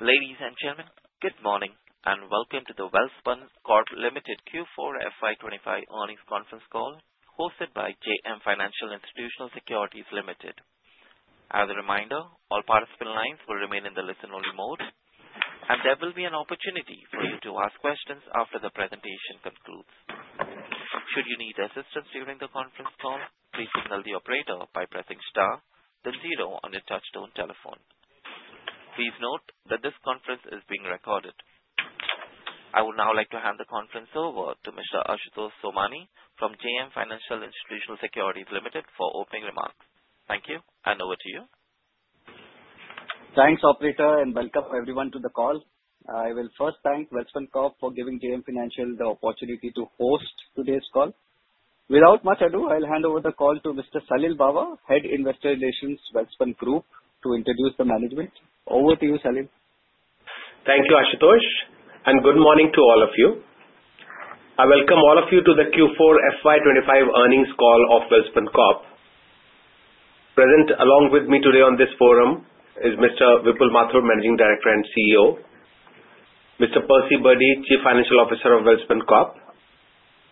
Ladies and gentlemen, good morning and welcome to the Welspun Corp Limited Q4 FY 2025 earnings conference call hosted by JM Financial Institutional Securities Limited. As a reminder, all participant lines will remain in the listen-only mode, and there will be an opportunity for you to ask questions after the presentation concludes. Should you need assistance during the conference call, please email the operator by pressing star then zero on your touch-tone telephone. Please note that this conference is being recorded. I would now like to hand the conference over to Mr. Ashutosh Somani from JM Financial Institutional Securities Limited for opening remarks. Thank you, and over to you. Thanks, Operator, and welcome everyone to the call. I will first thank Welspun Corp for giving JM Financial the opportunity to host today's call. Without much ado, I'll hand over the call to Mr. Salil Bawa, Head Investor Relations at Welspun Group, to introduce the management. Over to you, Salil. Thank you, Ashutosh, and good morning to all of you. I welcome all of you to the Q4 FY 2025 earnings call of Welspun Corp. Present along with me today on this forum is Mr. Vipul Mathur, Managing Director and CEO, Mr. Percy Birdy, Chief Financial Officer of Welspun Corp,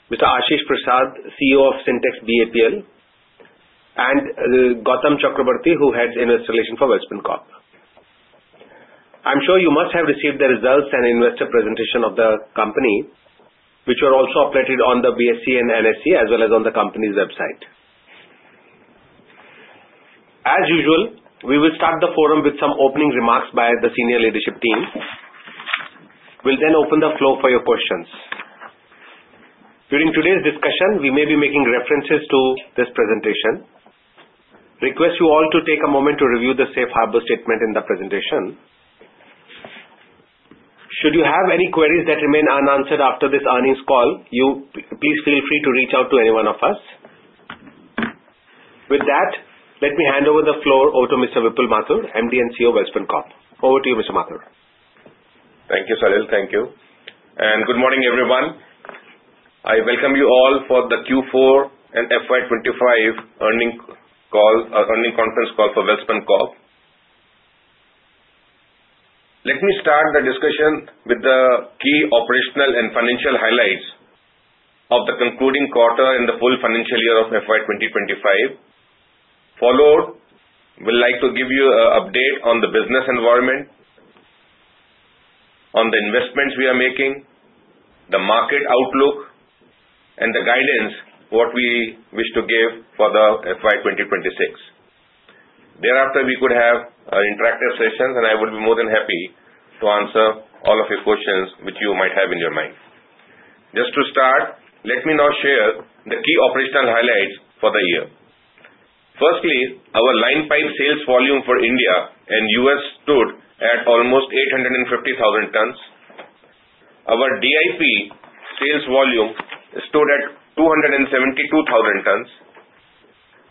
Mr. Ashish Prasad, CEO of Sintex BAPL, and Goutam Chakraborty, who heads Investor Relations for Welspun Corp. I'm sure you must have received the results and investor presentation of the company, which were also updated on the BSE and NSE, as well as on the company's website. As usual, we will start the forum with some opening remarks by the senior leadership team. We'll then open the floor for your questions. During today's discussion, we may be making references to this presentation. I request you all to take a moment to review the Safe Harbor statement in the presentation. Should you have any queries that remain unanswered after this earnings call, please feel free to reach out to any one of us. With that, let me hand over the floor to Mr. Vipul Mathur, MD and CEO of Welspun Corp. Over to you, Mr. Mathur. Thank you, Salil. Thank you, and good morning, everyone. I welcome you all for the Q4 and FY 2025 earnings conference call for Welspun Corp. Let me start the discussion with the key operational and financial highlights of the concluding quarter and the full financial year of FY 2025, followed. We'd like to give you an update on the business environment, on the investments we are making, the market outlook, and the guidance what we wish to give for the FY 2026. Thereafter, we could have interactive sessions, and I would be more than happy to answer all of your questions which you might have in your mind. Just to start, let me now share the key operational highlights for the year. Firstly, our line pipe sales volume for India and U.S. stood at almost 850,000 tons. Our DIP sales volume stood at 272,000 tons.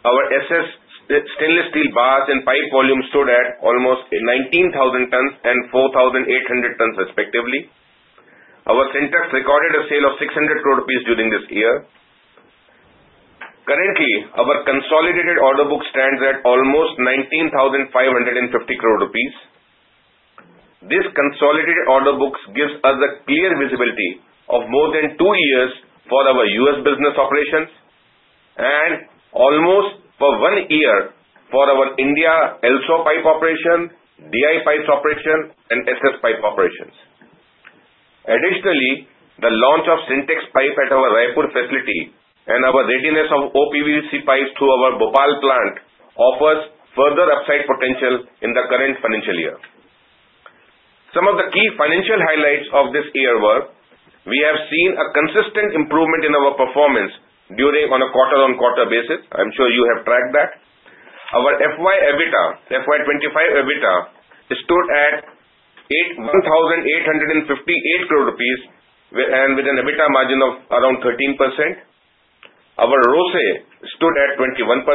Our SS stainless steel bars and pipe volume stood at almost 19,000 tons and 4,800 tons, respectively. Our Sintex recorded a sale of 600 crore rupees during this year. Currently, our consolidated order book stands at almost 19,550 crore rupees. This consolidated order book gives us a clear visibility of more than two years for our U.S. business operations and almost one year for our India LSAW pipe operation, DI pipes operation, and SS pipe operations. Additionally, the launch of Sintex pipe at our Raipur facility and our readiness of OPVC pipes through our Bhopal plant offers further upside potential in the current financial year. Some of the key financial highlights of this year were we have seen a consistent improvement in our performance on a quarter-on-quarter basis. I'm sure you have tracked that. Our FY 2025 EBITDA stood at 1,858 crore rupees and with an EBITDA margin of around 13%. Our ROCE stood at 21%.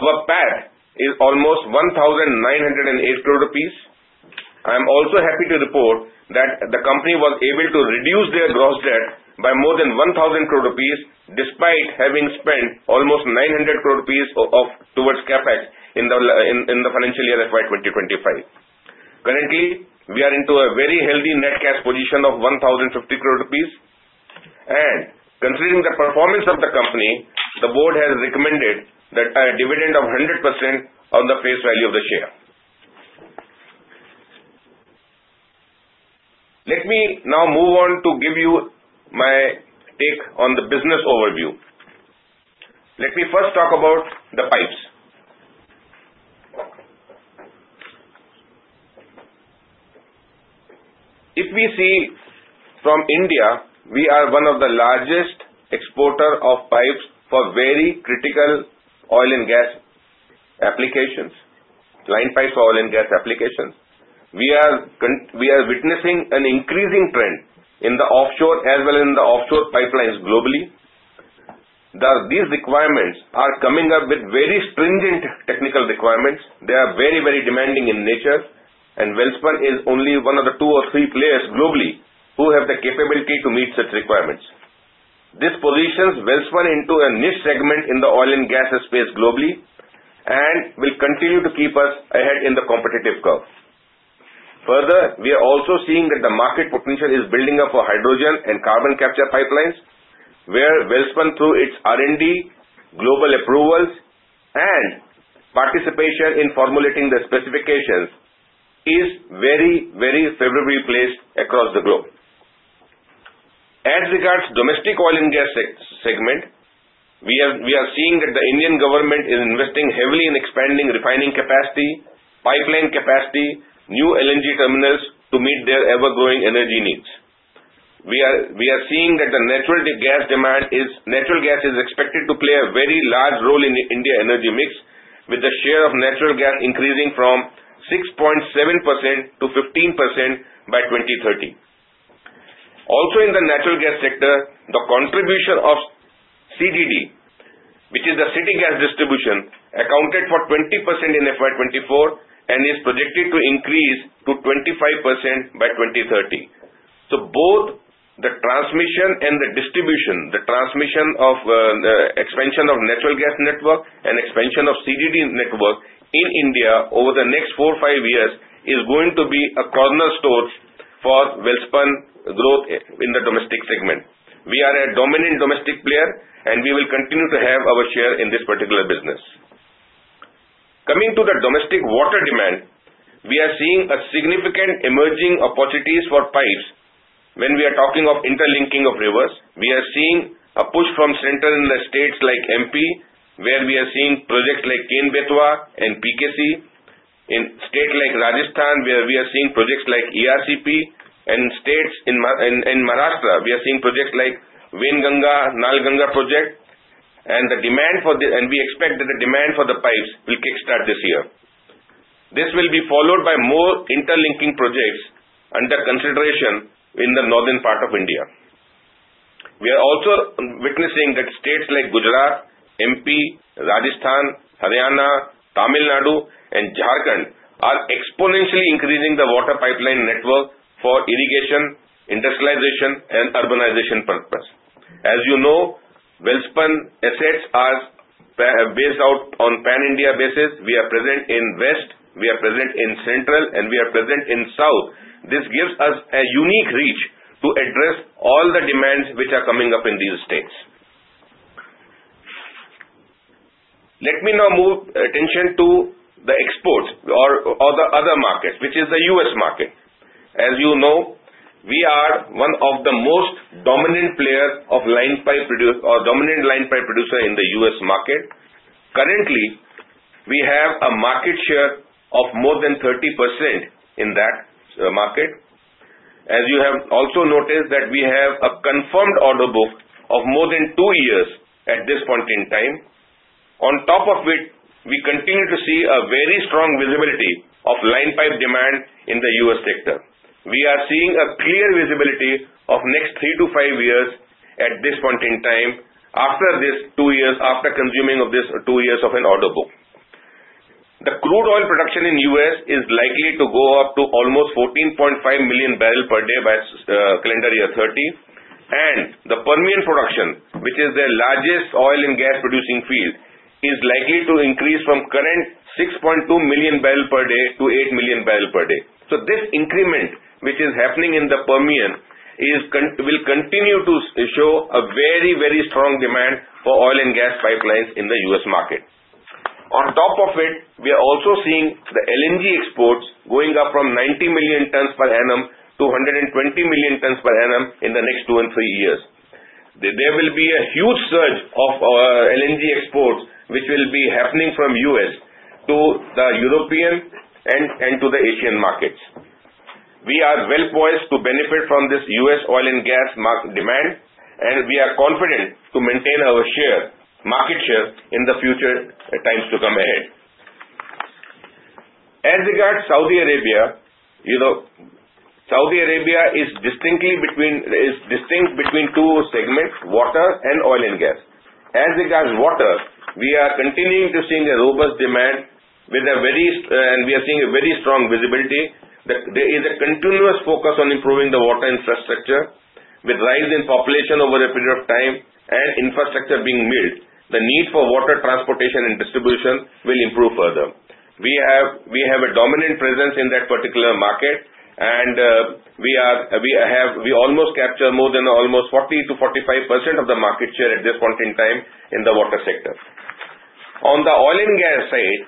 Our PAT is almost 1,908 crore rupees. I'm also happy to report that the company was able to reduce their gross debt by more than INR 1,000 crore despite having spent almost 900 crore rupees towards CapEx in the financial year FY 2025. Currently, we are into a very healthy net cash position of 1,050 crore rupees. And considering the performance of the company, the board has recommended that a dividend of 100% on the face value of the share. Let me now move on to give you my take on the business overview. Let me first talk about the pipes. If we see from India, we are one of the largest exporters of pipes for very critical oil and gas applications, line pipes for oil and gas applications. We are witnessing an increasing trend in the offshore as well as in the offshore pipelines globally. These requirements are coming up with very stringent technical requirements. They are very, very demanding in nature, and Welspun is only one of the two or three players globally who have the capability to meet such requirements. This positions Welspun into a niche segment in the oil and gas space globally and will continue to keep us ahead in the competitive curve. Further, we are also seeing that the market potential is building up for hydrogen and carbon capture pipelines, where Welspun, through its R&D, global approvals, and participation in formulating the specifications, is very, very favorably placed across the globe. As regards to the domestic oil and gas segment, we are seeing that the Indian government is investing heavily in expanding refining capacity, pipeline capacity, and new LNG terminals to meet their ever-growing energy needs. We are seeing that the natural gas demand is expected to play a very large role in India's energy mix, with the share of natural gas increasing from 6.7% to 15% by 2030. Also, in the natural gas sector, the contribution of CGD, which is the city gas distribution, accounted for 20% in FY 2024 and is projected to increase to 25% by 2030. So both the transmission and the distribution of the expansion of the natural gas network and expansion of the CGD network in India over the next four or five years is going to be a cornerstone for Welspun's growth in the domestic segment. We are a dominant domestic player, and we will continue to have our share in this particular business. Coming to the domestic water demand, we are seeing significant emerging opportunities for pipes. When we are talking of interlinking of rivers, we are seeing a push from central states like MP, where we are seeing projects like Ken-Betwa and PKC. In states like Rajasthan, where we are seeing projects like ERCP. In states in Maharashtra, we are seeing projects like Wainganga and Nalganga projects. We expect that the demand for the pipes will kickstart this year. This will be followed by more interlinking projects under consideration in the northern part of India. We are also witnessing that states like Gujarat, MP, Rajasthan, Haryana, Tamil Nadu, and Jharkhand are exponentially increasing the water pipeline network for irrigation, industrialization, and urbanization purposes. As you know, Welspun assets are based out on a pan-India basis. We are present in the West, we are present in the Central, and we are present in the South. This gives us a unique reach to address all the demands which are coming up in these states. Let me now move attention to the export or the other market, which is the U.S. market. As you know, we are one of the most dominant players of line pipe or dominant line pipe producer in the U.S. market. Currently, we have a market share of more than 30% in that market. As you have also noticed, we have a confirmed order book of more than two years at this point in time. On top of it, we continue to see a very strong visibility of line pipe demand in the U.S. sector. We are seeing a clear visibility of the next three to five years at this point in time after these two years, after consuming of these two years of an order book The crude oil production in the U.S. is likely to go up to almost 14.5 million barrels per day by calendar year 2030, and the Permian production, which is the largest oil and gas producing field, is likely to increase from current 6.2 million barrels per day to 8 million barrels per day. So this increment, which is happening in the Permian, will continue to show a very, very strong demand for oil and gas pipelines in the U.S. market. On top of it, we are also seeing the LNG exports going up from 90 million tons per annum to 120 million tons per annum in the next two and three years. There will be a huge surge of LNG exports, which will be happening from the U.S. to the European and to the Asian markets. We are well poised to benefit from this U.S. oil and gas demand, and we are confident to maintain our market share in the future times to come ahead. As regards Saudi Arabia, Saudi Arabia is distinct between two segments: water and oil and gas. As regards water, we are continuing to see a robust demand, and we are seeing a very strong visibility. There is a continuous focus on improving the water infrastructure. With the rise in population over a period of time and infrastructure being built, the need for water transportation and distribution will improve further. We have a dominant presence in that particular market, and we almost capture more than almost 40%-45% of the market share at this point in time in the water sector. On the oil and gas side,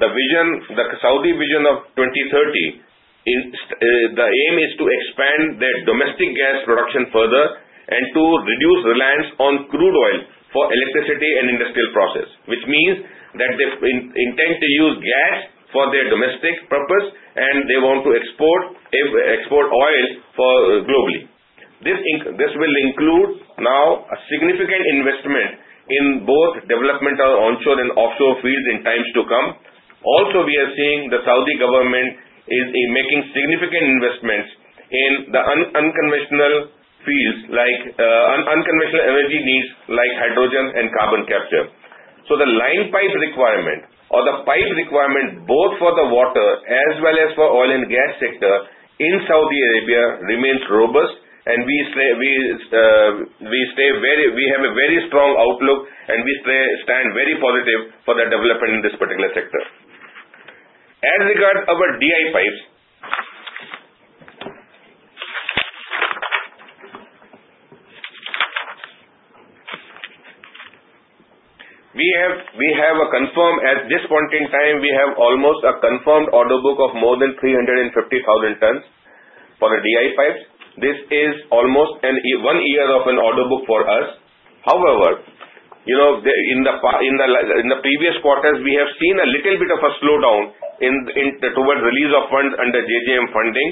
the Saudi Vision 2030, the aim is to expand their domestic gas production further and to reduce reliance on crude oil for electricity and industrial processes, which means that they intend to use gas for their domestic purpose, and they want to export oil globally. This will include now a significant investment in both development of onshore and offshore fields in times to come. Also, we are seeing the Saudi government is making significant investments in the unconventional fields, like unconventional energy needs like hydrogen and carbon capture, so the line pipe requirement or the pipe requirement both for the water as well as for the oil and gas sector in Saudi Arabia remains robust, and we have a very strong outlook, and we stand very positive for the development in this particular sector. As regards our DI pipes, we have a confirmed, at this point in time, we have almost a confirmed order book of more than 350,000 tons for the DI pipes. This is almost one year of an order book for us. However, in the previous quarters, we have seen a little bit of a slowdown towards the release of funds under JJM funding,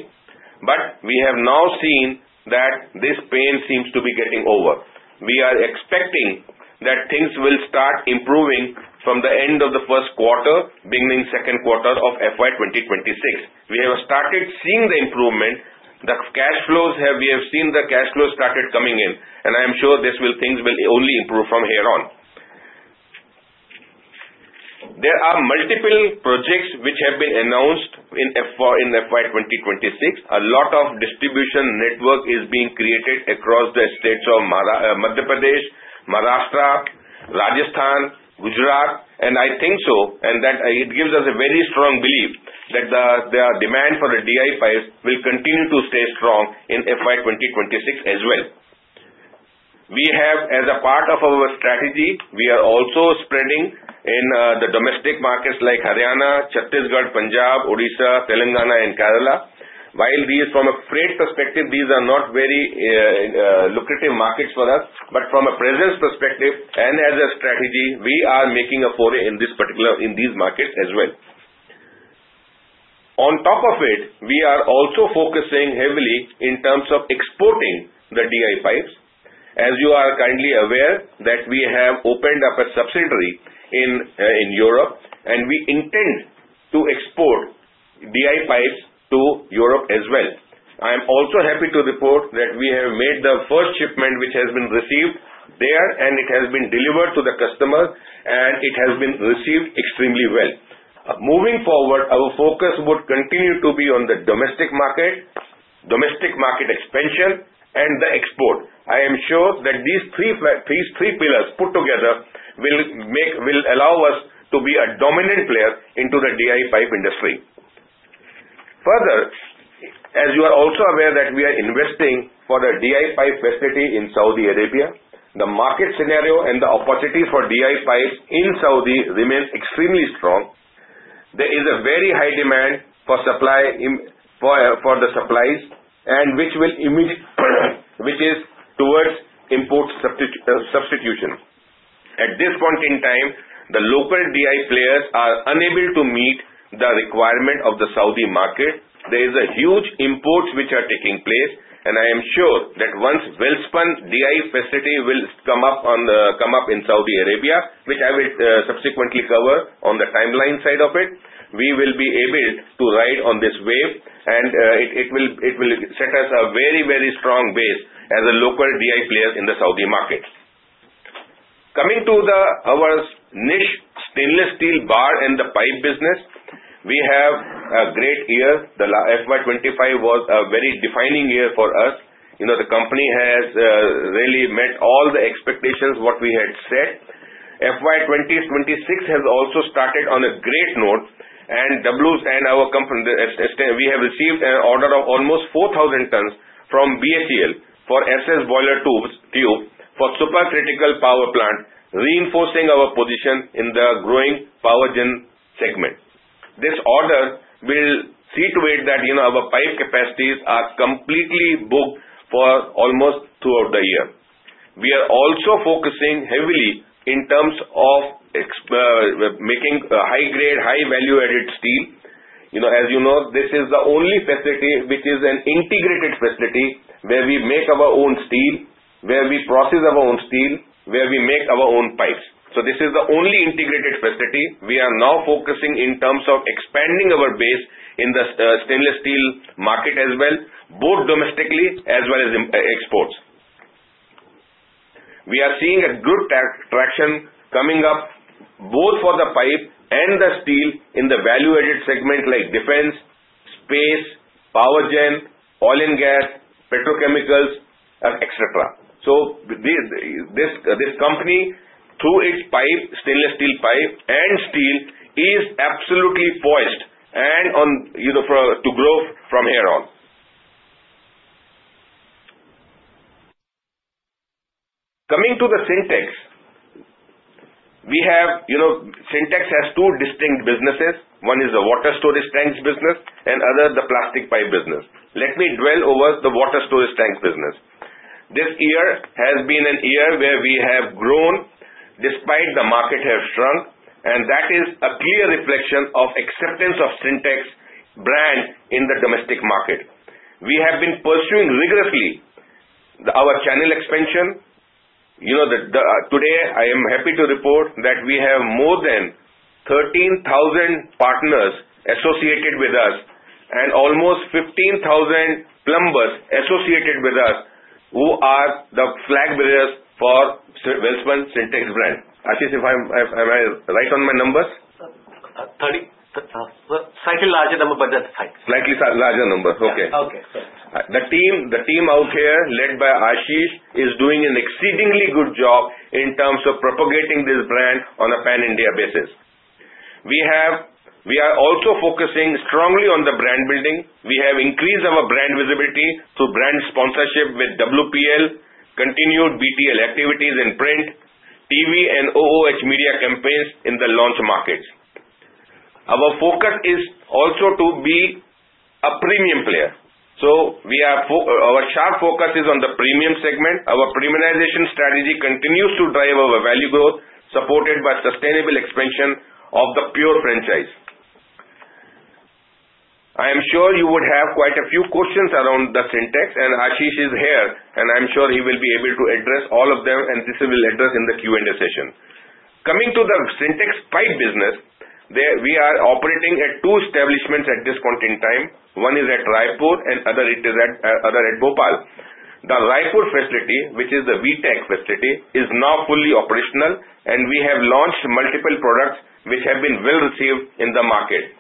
but we have now seen that this pain seems to be getting over. We are expecting that things will start improving from the end of the first quarter, beginning second quarter of FY 2026. We have started seeing the improvement. The cash flows, we have seen the cash flows started coming in, and I am sure things will only improve from here on. There are multiple projects which have been announced in FY 2026. A lot of distribution network is being created across the states of Madhya Pradesh, Maharashtra, Rajasthan, Gujarat, and I think so, and that it gives us a very strong belief that the demand for the DI pipes will continue to stay strong in FY 2026 as well. We have, as a part of our strategy, we are also spreading in the domestic markets like Haryana, Chhattisgarh, Punjab, Odisha, Telangana, and Kerala. While from a freight perspective, these are not very lucrative markets for us, but from a presence perspective and as a strategy, we are making a foray in these markets as well. On top of it, we are also focusing heavily in terms of exporting the DI pipes. As you are kindly aware, we have opened up a subsidiary in Europe, and we intend to export DI pipes to Europe as well. I am also happy to report that we have made the first shipment which has been received there, and it has been delivered to the customer, and it has been received extremely well. Moving forward, our focus would continue to be on the domestic market, domestic market expansion, and the export. I am sure that these three pillars put together will allow us to be a dominant player into the DI pipe industry. Further, as you are also aware that we are investing for the DI pipe facility in Saudi Arabia, the market scenario and the opportunities for DI pipes in Saudi remain extremely strong. There is a very high demand for the supplies, which is towards import substitution. At this point in time, the local DI players are unable to meet the requirement of the Saudi market. There is a huge import which is taking place, and I am sure that once Welspun DI facility will come up in Saudi Arabia, which I will subsequently cover on the timeline side of it, we will be able to ride on this wave, and it will set us a very, very strong base as a local DI player in the Saudi market. Coming to our niche stainless steel bar and the pipe business, we had a great year. The FY 2025 was a very defining year for us. The company has really met all the expectations what we had set. FY 2026 has also started on a great note, and we have received an order of almost 4,000 tons from BHEL for SS boiler tube for supercritical power plant, reinforcing our position in the growing power gen segment. This order will see to it that our pipe capacities are completely booked for almost throughout the year. We are also focusing heavily in terms of making high-grade, high value-added steel. As you know, this is the only facility which is an integrated facility where we make our own steel, where we process our own steel, where we make our own pipes. So this is the only integrated facility we are now focusing in terms of expanding our base in the stainless steel market as well, both domestically as well as exports. We are seeing a good traction coming up both for the pipe and the steel in the value-added segment like defense, space, power gen, oil and gas, petrochemicals, etc. So this company, through its pipe, stainless steel pipe and steel, is absolutely poised to grow from here on. Coming to the Sintex, we have. Sintex has two distinct businesses. One is the water storage tanks business, and the other is the plastic pipe business. Let me dwell over the water storage tanks business. This year has been a year where we have grown despite the market has shrunk, and that is a clear reflection of acceptance of Sintex brand in the domestic market. We have been pursuing rigorously our channel expansion. Today, I am happy to report that we have more than 13,000 partners associated with us and almost 15,000 plumbers associated with us who are the flag bearers for Welspun Sintex brand. Ashish, am I right on my numbers? Slightly larger number but that's fine. Slightly larger number. Okay. The team out here led by Ashish is doing an exceedingly good job in terms of propagating this brand on a pan-India basis. We are also focusing strongly on the brand building. We have increased our brand visibility through brand sponsorship with WPL, continued BTL activities in print, TV, and OOH media campaigns in the launch markets. Our focus is also to be a premium player. So our sharp focus is on the premium segment. Our premiumization strategy continues to drive our value growth supported by sustainable expansion of the pure franchise. I am sure you would have quite a few questions around the Sintex, and Ashish is here, and I am sure he will be able to address all of them, and this will be addressed in the Q&A session. Coming to the Sintex pipe business, we are operating at two establishments at this point in time. One is at Raipur, and the other is at Bhopal. The Raipur facility, which is the VTEC facility, is now fully operational, and we have launched multiple products which have been well received in the market.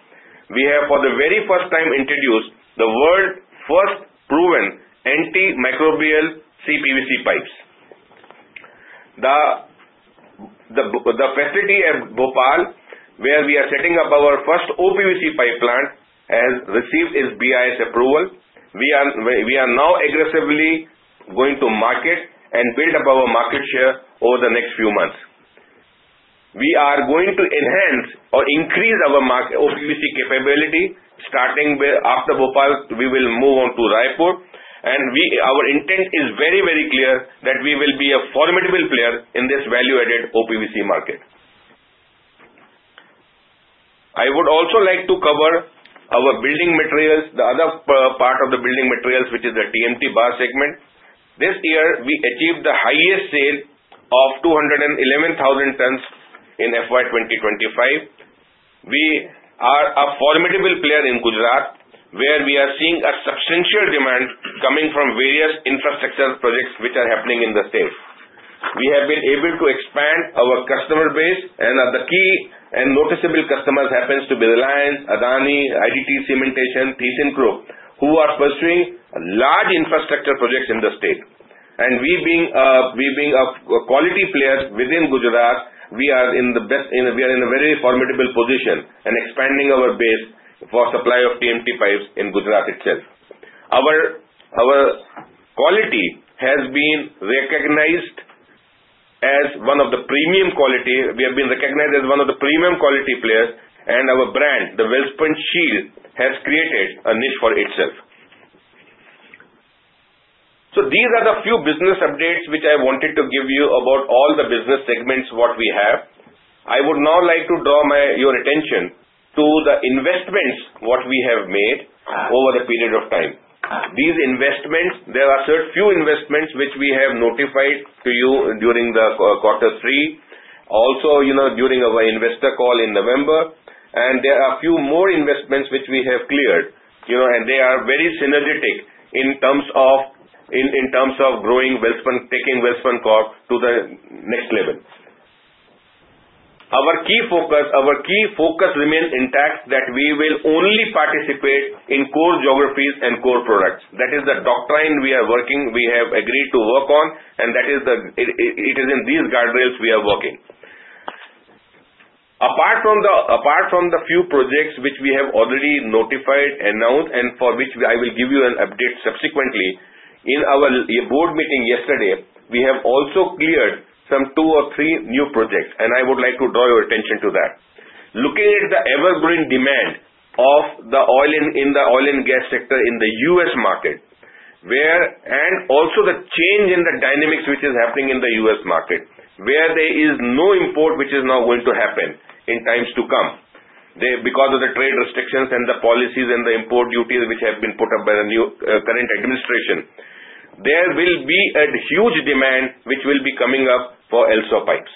We have, for the very first time, introduced the world's first proven antimicrobial CPVC pipes. The facility at Bhopal, where we are setting up our first OPVC pipe plant, has received its BIS approval. We are now aggressively going to market and build up our market share over the next few months. We are going to enhance or increase our OPVC capability starting after Bhopal. We will move on to Raipur, and our intent is very, very clear that we will be a formidable player in this value-added OPVC market. I would also like to cover our building materials, the other part of the building materials, which is the TMT bar segment. This year, we achieved the highest sale of 211,000 tons in FY 2025. We are a formidable player in Gujarat, where we are seeing a substantial demand coming from various infrastructure projects which are happening in the state. We have been able to expand our customer base, and the key and noticeable customers happen to be Reliance, Adani, ITD Cementation, Thyssenkrupp, who are pursuing large infrastructure projects in the state, and we being a quality player within Gujarat, we are in a very formidable position and expanding our base for supply of TMT pipes in Gujarat itself. Our quality has been recognized as one of the premium quality. We have been recognized as one of the premium quality players, and our brand, the Welspun Shield, has created a niche for itself, so these are the few business updates which I wanted to give you about all the business segments what we have. I would now like to draw your attention to the investments what we have made over the period of time. These investments, there are a few investments which we have notified to you during the quarter three, also during our investor call in November, and there are a few more investments which we have cleared, and they are very synergetic in terms of growing Welspun, taking Welspun Corp to the next level. Our key focus remains intact that we will only participate in core geographies and core products. That is the doctrine we are working, we have agreed to work on, and it is in these guardrails we are working. Apart from the few projects which we have already notified, announced, and for which I will give you an update subsequently, in our board meeting yesterday, we have also cleared some two or three new projects, and I would like to draw your attention to that. Looking at the ever-growing demand in the oil and gas sector in the U.S. market, and also the change in the dynamics which is happening in the U.S. market, where there is no import which is now going to happen in times to come because of the trade restrictions and the policies and the import duties which have been put up by the current administration, there will be a huge demand which will be coming up for LSAW pipes.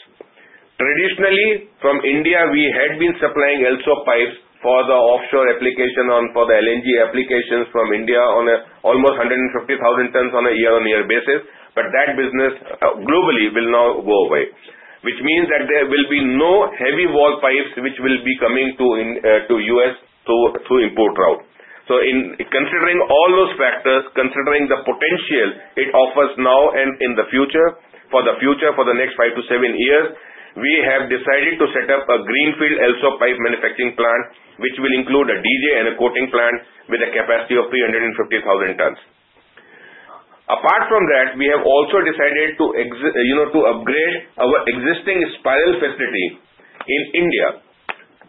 Traditionally, from India, we had been supplying LSAW pipes for the offshore application and for the LNG applications from India on almost 150,000 tons on a year-on-year basis, but that business globally will now go away, which means that there will be no heavy wall pipes which will be coming to U.S. through import route. So considering all those factors, considering the potential it offers now and in the future for the next five to seven years, we have decided to set up a greenfield LSAW pipe manufacturing plant which will include a DJ and a coating plant with a capacity of 350,000 tons. Apart from that, we have also decided to upgrade our existing spiral facility in India.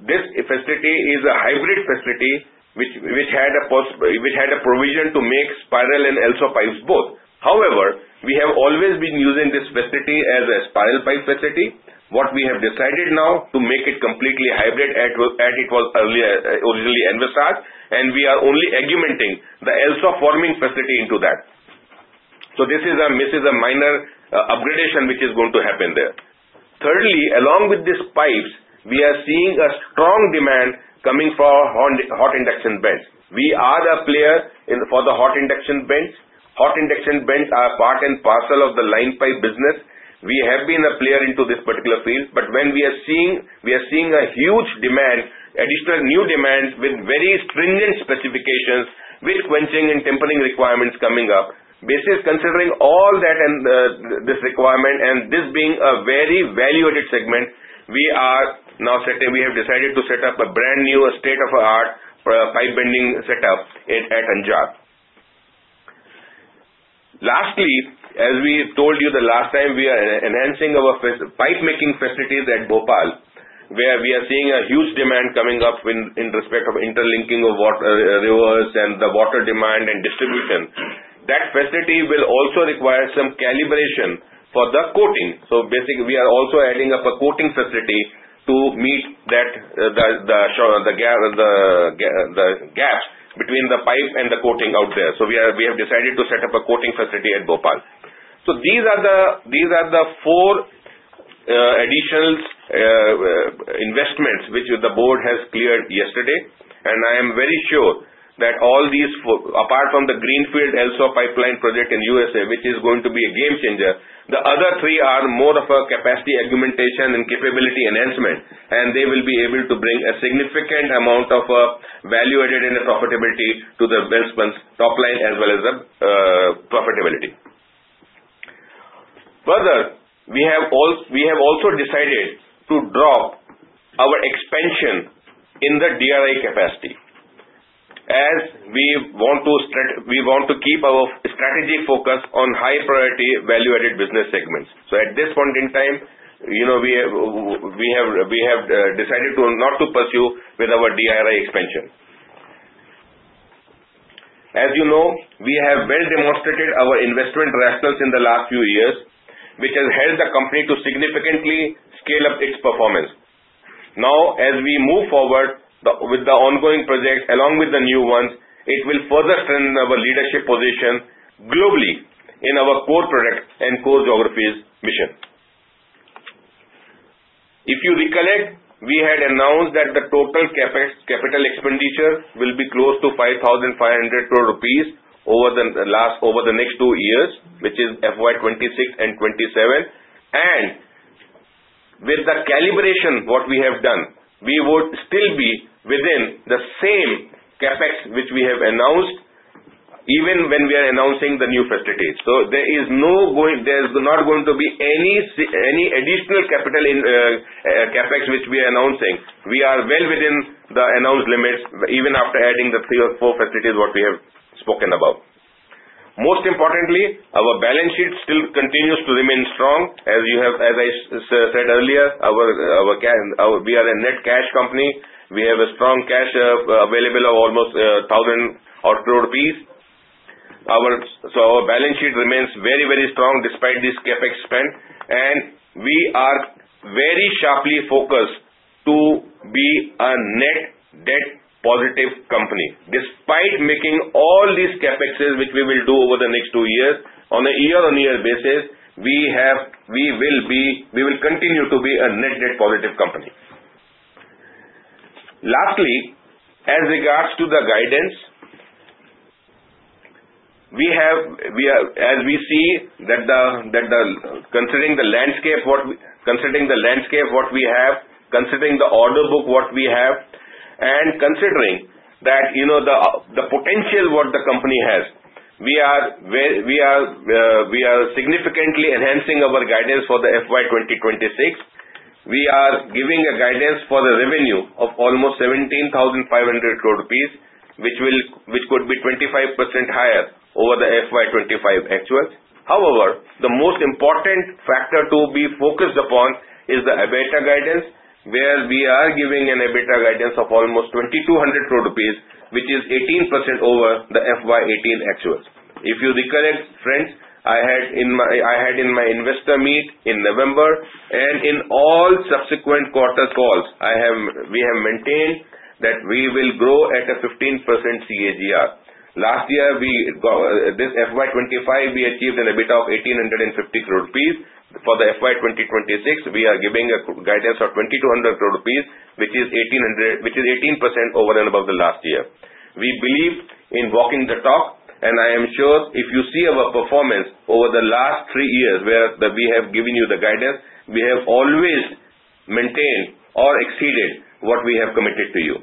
This facility is a hybrid facility which had a provision to make spiral and LSAW pipes both. However, we have always been using this facility as a spiral pipe facility. What we have decided now to make it completely hybrid as it was originally envisaged, and we are only augmenting the LSAW forming facility into that. So this is a minor upgradation which is going to happen there. Thirdly, along with these pipes, we are seeing a strong demand coming for hot induction bends. We are a player for the hot induction bends. Hot induction bends are a part and parcel of the line pipe business. We have been a player into this particular field, but when we are seeing a huge demand, additional new demand with very stringent specifications with quenching and tempering requirements coming up, considering all that and this requirement and this being a very value-added segment, we have decided to set up a brand new state-of-the-art pipe bending setup at Anjar. Lastly, as we told you the last time, we are enhancing our pipe making facilities at Bhopal, where we are seeing a huge demand coming up in respect of interlinking of water, rivers, and the water demand and distribution. That facility will also require some calibration for the coating. So basically, we are also adding up a coating facility to meet the gaps between the pipe and the coating out there. So we have decided to set up a coating facility at Bhopal. These are the four additional investments which the board has cleared yesterday, and I am very sure that all these, apart from the greenfield Elso pipeline project in USA, which is going to be a game changer. The other three are more of a capacity augmentation and capability enhancement, and they will be able to bring a significant amount of value-added and profitability to Welspun's top line as well as profitability. Further, we have also decided to drop our expansion in the DRI capacity as we want to keep our strategy focused on high-priority value-added business segments. At this point in time, we have decided not to pursue with our DRI expansion. As you know, we have well demonstrated our investment rationals in the last few years, which has helped the company to significantly scale up its performance. Now, as we move forward with the ongoing project, along with the new ones, it will further strengthen our leadership position globally in our core product and core geographies mission. If you recollect, we had announced that the total capital expenditure will be close to 5,500 crore rupees over the next two years, which is FY 2026 and FY 2027. And with the calibration what we have done, we would still be within the same CapEx which we have announced even when we are announcing the new facilities. So there is not going to be any additional capital CapEx which we are announcing. We are well within the announced limits even after adding the three or four facilities what we have spoken about. Most importantly, our balance sheet still continues to remain strong. As I said earlier, we are a net cash company. We have a strong cash available of almost 1,000 crore rupees. So our balance sheet remains very, very strong despite this CapEx spend, and we are very sharply focused to be a net debt positive company. Despite making all these CapExes which we will do over the next two years on a year-on-year basis, we will continue to be a net debt positive company. Lastly, as regards to the guidance, as we see that considering the landscape what we have, considering the order book what we have, and considering the potential what the company has, we are significantly enhancing our guidance for the FY 2026. We are giving a guidance for the revenue of almost 17,500 crore rupees, which could be 25% higher over the FY 2025 actual. However, the most important factor to be focused upon is the EBITDA guidance, where we are giving an EBITDA guidance of almost 2,200 crore rupees, which is 18% over the FY 2018 actual. If you recollect, friends, I had in my investor meet in November, and in all subsequent quarter calls, we have maintained that we will grow at a 15% CAGR. Last year, this FY 2025, we achieved an EBITDA of 1,850 crore rupees. For the FY 2026, we are giving a guidance of 2,200 crore rupees, which is 18% over and above the last year. We believe in walking the talk, and I am sure if you see our performance over the last three years where we have given you the guidance, we have always maintained or exceeded what we have committed to you.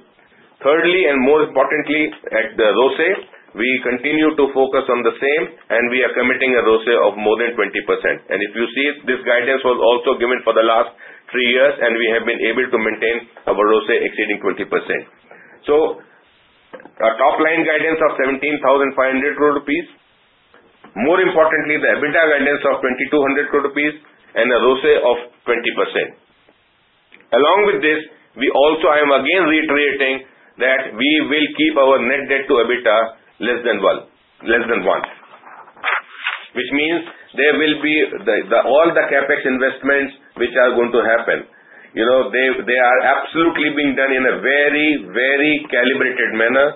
Thirdly, and more importantly, at the ROCE, we continue to focus on the same, and we are committing a ROCE of more than 20%. And if you see, this guidance was also given for the last three years, and we have been able to maintain our ROCE exceeding 20%. So a top line guidance of 17,500 crore rupees, more importantly, the EBITDA guidance of 2,200 crore rupees, and a ROCE of 20%. Along with this, I am again reiterating that we will keep our net debt to EBITDA less than 1, which means there will be all the CapEx investments which are going to happen. They are absolutely being done in a very, very calibrated manner.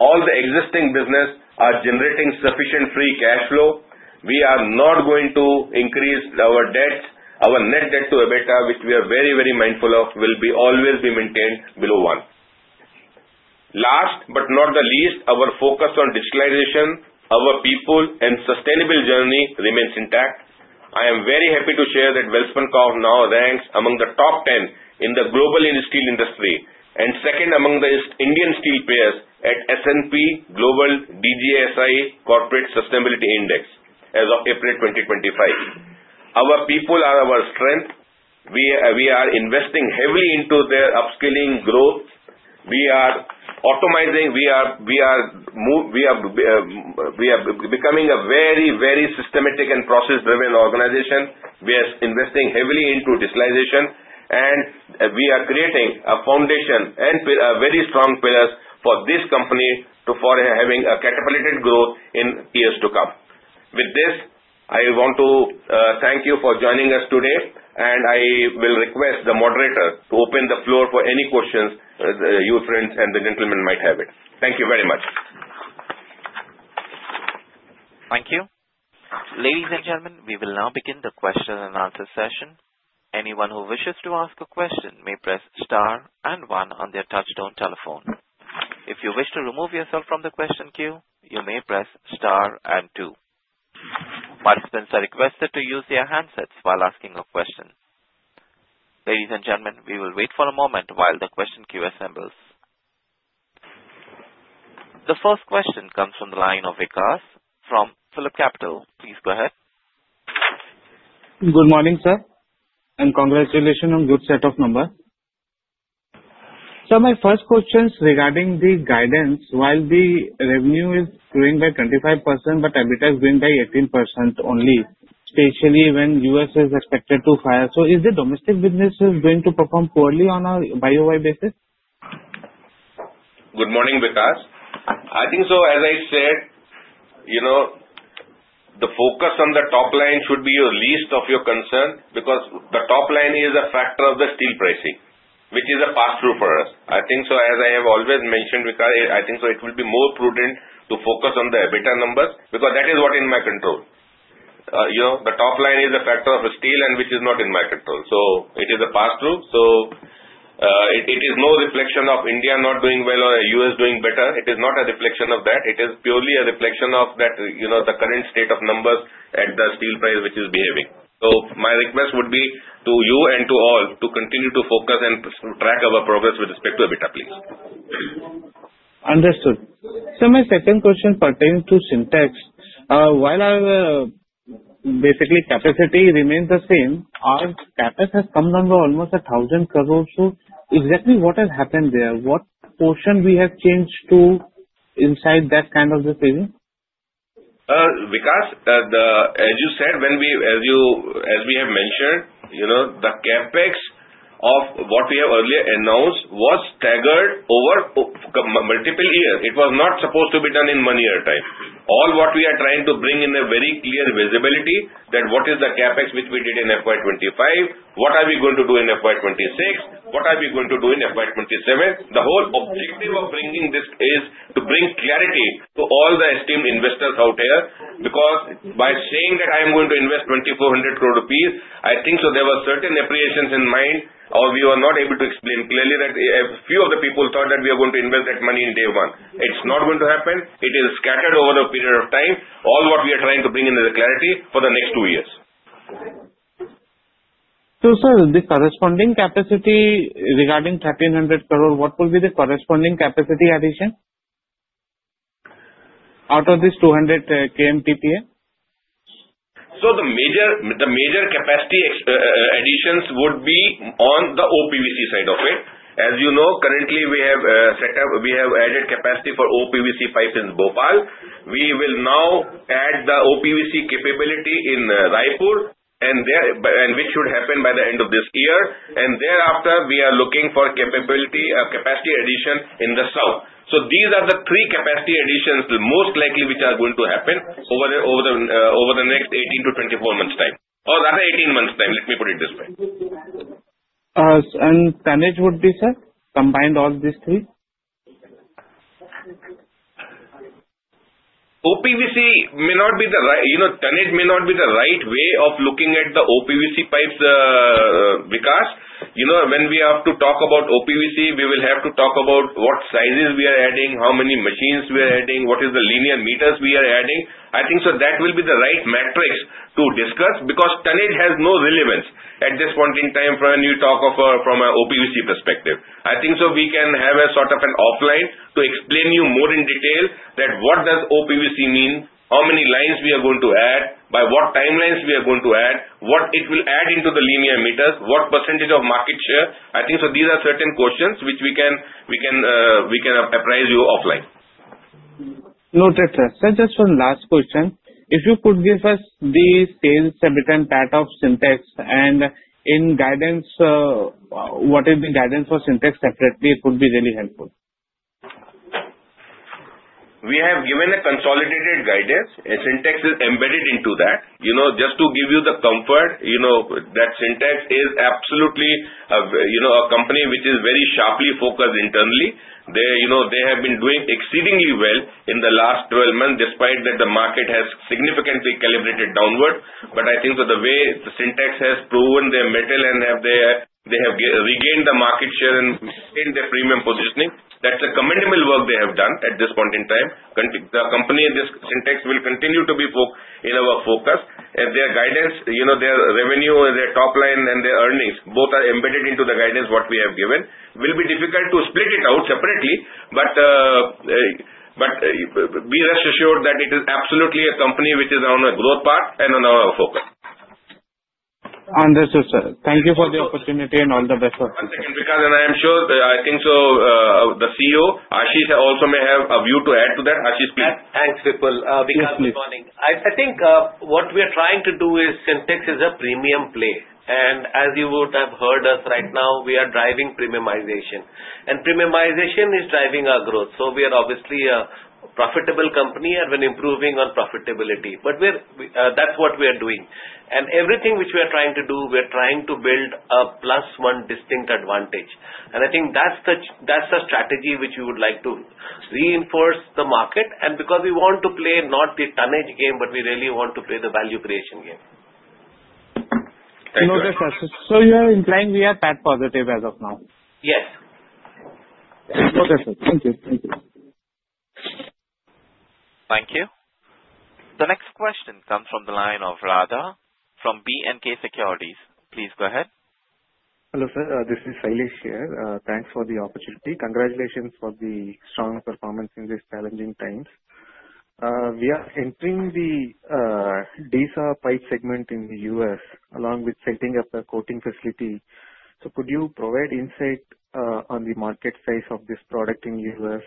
All the existing business are generating sufficient free cash flow. We are not going to increase our net debt to EBITDA, which we are very, very mindful of, will always be maintained below 1. Last but not the least, our focus on digitalization, our people, and sustainable journey remains intact. I am very happy to share that Welspun Corp now ranks among the top 10 in the global steel industry and second among the Indian steel players at S&P Global DJSI Corporate Sustainability Index as of April 2025. Our people are our strength. We are investing heavily into their upskilling growth. We are becoming a very, very systematic and process-driven organization. We are investing heavily into digitalization, and we are creating a foundation and very strong pillars for this company for having a catapulted growth in years to come. With this, I want to thank you for joining us today, and I will request the moderator to open the floor for any questions you, friends and the gentlemen, might have. Thank you very much. Thank you. Ladies and gentlemen, we will now begin the question and answer session. Anyone who wishes to ask a question may press star and one on their touch-tone telephone. If you wish to remove yourself from the question queue, you may press star and two. Participants are requested to use their handsets while asking a question. Ladies and gentlemen, we will wait for a moment while the question queue assembles. The first question comes from the line of Vikash from Phillip Capital. Please go ahead. Good morning, sir, and congratulations on good set of numbers. Sir, my first question is regarding the guidance. While the revenue is growing by 25%, but EBITDA is growing by 18% only, especially when U.S. is expected to fire. So is the domestic business going to perform poorly on a year-on-year basis? Good morning, Vikash. I think so. As I said, the focus on the top line should be your least of your concern because the top line is a factor of the steel pricing, which is a pass-through for us. I think so. As I have always mentioned, Vikash, I think so it will be more prudent to focus on the EBITDA numbers because that is what is in my control. The top line is a factor of steel, which is not in my control. So it is a pass-through. So it is no reflection of India not doing well or U.S. doing better. It is not a reflection of that. It is purely a reflection of the current state of numbers and the steel price which is behaving. So my request would be to you and to all to continue to focus and track our progress with respect to EBITDA, please. Understood. Sir, my second question pertains to Sintex. While basically capacity remains the same, our CapEx has come down to almost 1,000 crores. So exactly what has happened there? What portion we have changed to inside that kind of the thing? Vikash, as you said, as we have mentioned, the CapEx of what we have earlier announced was staggered over multiple years. It was not supposed to be done in one year time. All what we are trying to bring in a very clear visibility that what is the CapEx which we did in FY 2025, what are we going to do in FY 2026, what are we going to do in FY 2027. The whole objective of bringing this is to bring clarity to all the esteemed investors out here because by saying that I am going to invest 2,400 crore rupees, I think so there were certain apprehensions in mind, or we were not able to explain clearly that a few of the people thought that we are going to invest that money in day one. It's not going to happen. It is scattered over a period of time. All what we are trying to bring in is clarity for the next two years. So sir, the corresponding capacity regarding 1,300 crore, what will be the corresponding capacity addition out of this 200 KM TPA? So the major capacity additions would be on the OPVC side of it. As you know, currently we have added capacity for OPVC pipes in Bhopal. We will now add the OPVC capability in Raipur, which should happen by the end of this year. And thereafter, we are looking for capacity addition in the south. So these are the three capacity additions most likely which are going to happen over the next 18-24 months' time. Or rather, 18 months' time. Let me put it this way. And tonnage would be, sir, combined all these three? OPVC may not be the tandem. May not be the right way of looking at the OPVC pipes, Vikash. When we have to talk about OPVC, we will have to talk about what sizes we are adding, how many machines we are adding, what is the linear meters we are adding. I think so that will be the right metrics to discuss because TANED has no relevance at this point in time for a new talk from an OPVC perspective. I think so we can have a sort of an offline to explain to you more in detail that what does OPVC mean, how many lines we are going to add, by what timelines we are going to add, what it will add into the linear meters, what percentage of market share. I think so these are certain questions which we can apprise you offline. Noted, sir. Sir, just one last question. If you could give us the sales EBITDA and PAT of Sintex and in guidance, what is the guidance for Sintex separately, it would be really helpful. We have given a consolidated guidance. Sintex is embedded into that. Just to give you the comfort that Sintex is absolutely a company which is very sharply focused internally. They have been doing exceedingly well in the last 12 months despite that the market has significantly calibrated downward. But I think so the way the Sintex has proven their mettle and have regained the market share and maintained their premium positioning, that's a commendable work they have done at this point in time. The company and this Sintex will continue to be in our focus. Their guidance, their revenue, their top line, and their earnings, both are embedded into the guidance what we have given. It will be difficult to split it out separately, but rest assured that it is absolutely a company which is on a growth path and on our focus. Understood, sir. Thank you for the opportunity and all the best. One second, Vikash, and I am sure I think so the CEO, Ashish, also may have a view to add to that. Ashish, please. Thanks, Vipul. Vikash is calling. I think what we are trying to do is Sintex is a premium play. And as you would have heard us right now, we are driving premiumization. And premiumization is driving our growth. So we are obviously a profitable company and we're improving on profitability. But that's what we are doing. And everything which we are trying to do, we are trying to build a plus one distinct advantage. And I think that's the strategy which we would like to reinforce the market. And because we want to play not the TANED game, but we really want to play the value creation game. Thank you. Noted, sir. So you are implying we are PAT positive as of now? Yes. Noted, sir. Thank you. Thank you. Thank you. The next question comes from the line of Shailesh from B&K Securities. Please go ahead. Hello, sir. This is Shailesh here. Thanks for the opportunity. Congratulations for the strong performance in these challenging times. We are entering the DSAW pipe segment in the U.S. along with setting up a coating facility. So could you provide insight on the market size of this product in the U.S.?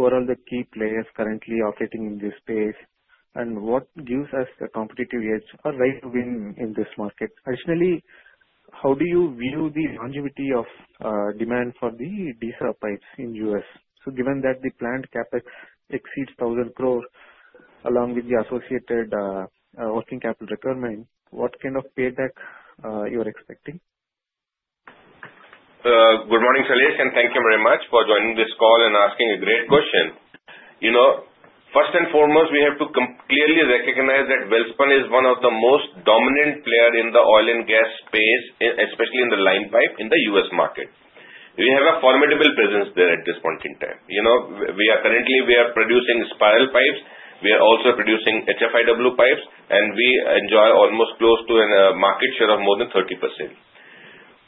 Who are all the key players currently operating in this space? And what gives us the competitive edge or right to win in this market? Additionally, how do you view the longevity of demand for the DSAW pipes in the U.S.? So given that the planned CapEx exceeds 1,000 crore along with the associated working capital requirement, what kind of payback you are expecting? Good morning, Shailesh, and thank you very much for joining this call and asking a great question. First and foremost, we have to clearly recognize that Welspun is one of the most dominant players in the oil and gas space, especially in the line pipe in the U.S. market. We have a formidable presence there at this point in time. Currently, we are producing spiral pipes. We are also producing HFIW pipes, and we enjoy almost close to a market share of more than 30%.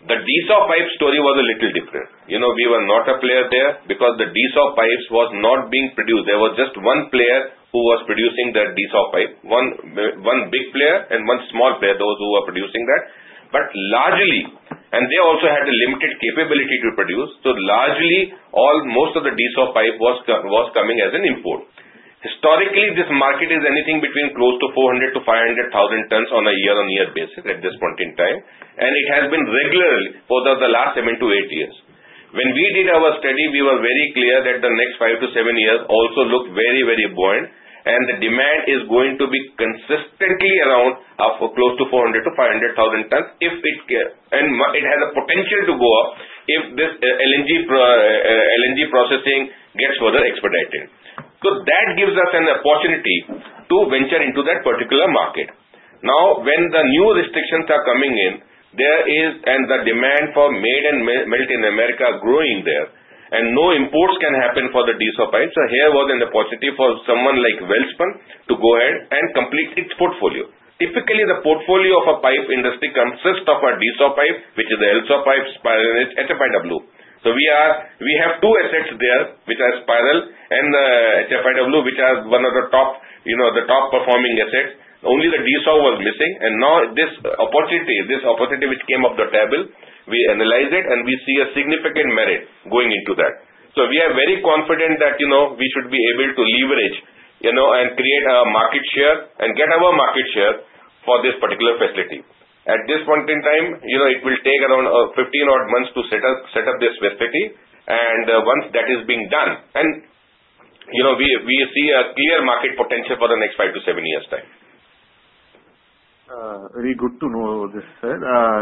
The DSAW pipe story was a little different. We were not a player there because the DSAW pipes was not being produced. There was just one player who was producing that DSAW pipe, one big player and one small player, those who were producing that. But largely, they also had a limited capability to produce, so largely, most of the DSAW pipe was coming as an import. Historically, this market is anything between close to 400-500 thousand tons on a year-on-year basis at this point in time, and it has been regularly for the last seven to eight years. When we did our study, we were very clear that the next five to seven years also look very, very buoyant, and the demand is going to be consistently around close to 400-500 thousand tons if it has a potential to go up if this LNG processing gets further expedited. So that gives us an opportunity to venture into that particular market. Now, when the new restrictions are coming in, there is the demand for made and built in America growing there, and no imports can happen for the DSAW pipe. So here was an opportunity for someone like Welspun to go ahead and complete its portfolio. Typically, the portfolio of a pipe industry consists of a LSAW pipe, which is the HSAW pipe, spiral, and HFIW. So we have two assets there which are spiral and HFIW, which are one of the top performing assets. Only the LSAW was missing, and now this opportunity, this opportunity which came on the table, we analyze it, and we see a significant merit going into that. So we are very confident that we should be able to leverage and create a market share and get our market share for this particular facility. At this point in time, it will take around 15 odd months to set up this facility, and once that is being done, we see a clear market potential for the next five to seven years' time. Very good to know this, sir.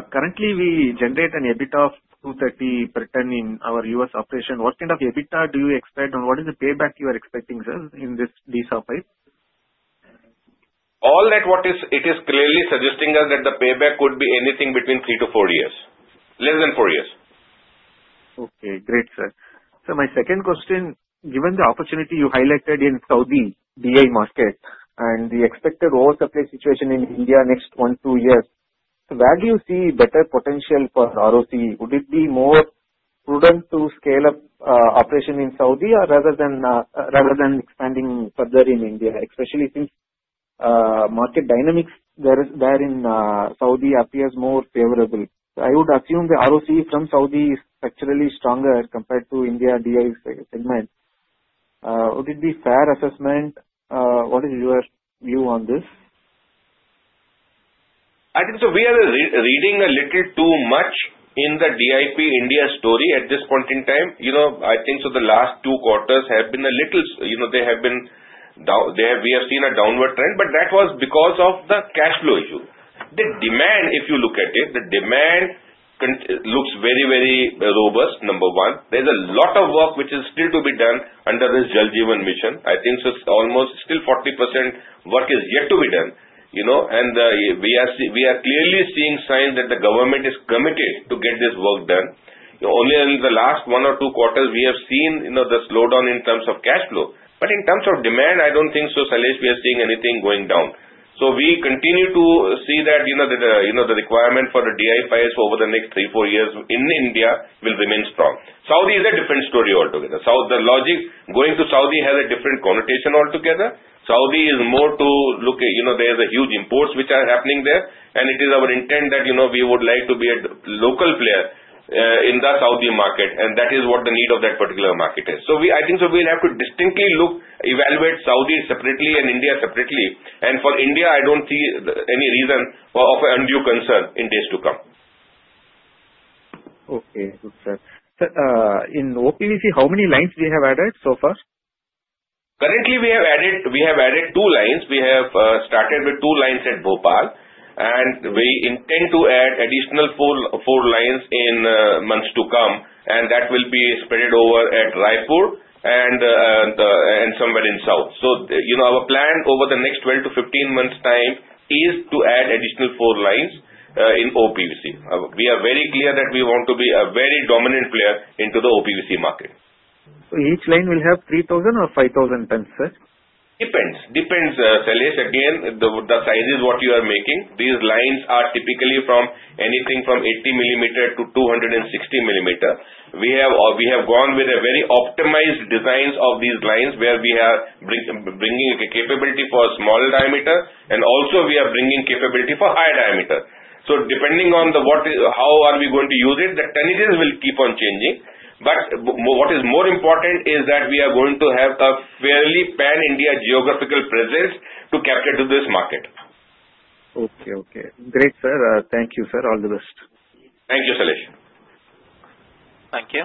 Currently, we generate an EBITDA of $230 per tonne in our U.S. operation. What kind of EBITDA do you expect? And what is the payback you are expecting, sir, in this DSAW pipe? All that what it is clearly suggesting us that the payback could be anything between three to four years, less than four years. Okay. Great, sir. So my second question, given the opportunity you highlighted in Saudi DI market and the expected oil supply situation in India next one to two years, where do you see better potential for ROCE? Would it be more prudent to scale up operation in Saudi rather than expanding further in India, especially since market dynamics there in Saudi appears more favorable? I would assume the ROCE from Saudi is actually stronger compared to India DI segment. Would it be fair assessment? What is your view on this? I think so we are reading a little too much in the DIP India story at this point in time. I think so the last two quarters have been a little. We have seen a downward trend, but that was because of the cash flow issue. The demand, if you look at it, the demand looks very, very robust, number one. There's a lot of work which is still to be done under this Jal Jeevan Mission. I think so it's almost still 40% work is yet to be done. We are clearly seeing signs that the government is committed to get this work done. Only in the last one or two quarters, we have seen the slowdown in terms of cash flow. But in terms of demand, I don't think so, Shailesh, we are seeing anything going down. So we continue to see that the requirement for the DI pipes over the next three, four years in India will remain strong. Saudi is a different story altogether. The logic going to Saudi has a different connotation altogether. Saudi is more to look at. There is a huge imports which are happening there, and it is our intent that we would like to be a local player in the Saudi market, and that is what the need of that particular market is. So I think so we'll have to distinctly look, evaluate Saudi separately and India separately, and for India, I don't see any reason of undue concern in days to come. Okay. Good, sir. Sir, in OPVC, how many lines do you have added so far? Currently, we have added two lines. We have started with two lines at Bhopal, and we intend to add additional four lines in months to come, and that will be spread over at Raipur and somewhere in south. So our plan over the next 12 to 15 months' time is to add additional four lines in OPVC. We are very clear that we want to be a very dominant player into the OPVC market. So each line will have 3,000 or 5,000 tons, sir? Depends. Depends, Shailesh. Again, the size is what you are making. These lines are typically from anything from 80 millimeter to 260 millimeter. We have gone with a very optimized design of these lines where we are bringing capability for a small diameter, and also we are bringing capability for high diameter. So depending on how are we going to use it, the tonnages will keep on changing. But what is more important is that we are going to have a fairly pan-India geographical presence to capture this market. Okay. Okay. Great, sir. Thank you, sir. All the best. Thank you, Shailesh. Thank you.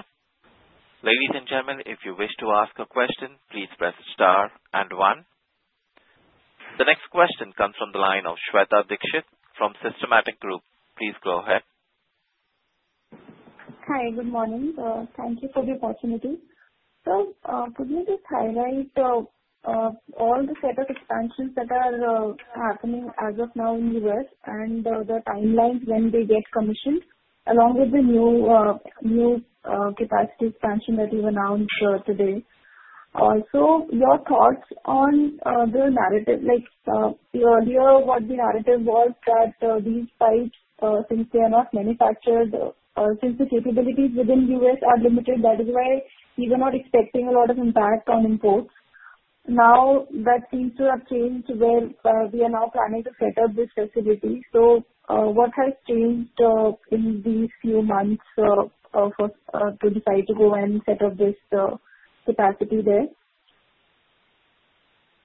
Ladies and gentlemen, if you wish to ask a question, please press star and one. The next question comes from the line of Shweta Dikshit from Systematix Group. Please go ahead. Hi. Good morning. Thank you for the opportunity. Sir, could you just highlight all the setup expansions that are happening as of now in the U.S. and the timelines when they get commissioned along with the new capacity expansion that you've announced today? Also, your thoughts on the narrative. Earlier, what the narrative was that these pipes, since they are not manufactured, since the capabilities within the U.S. are limited, that is why we were not expecting a lot of impact on imports. Now, that seems to have changed where we are now planning to set up this facility, so what has changed in these few months to decide to go and set up this capacity there?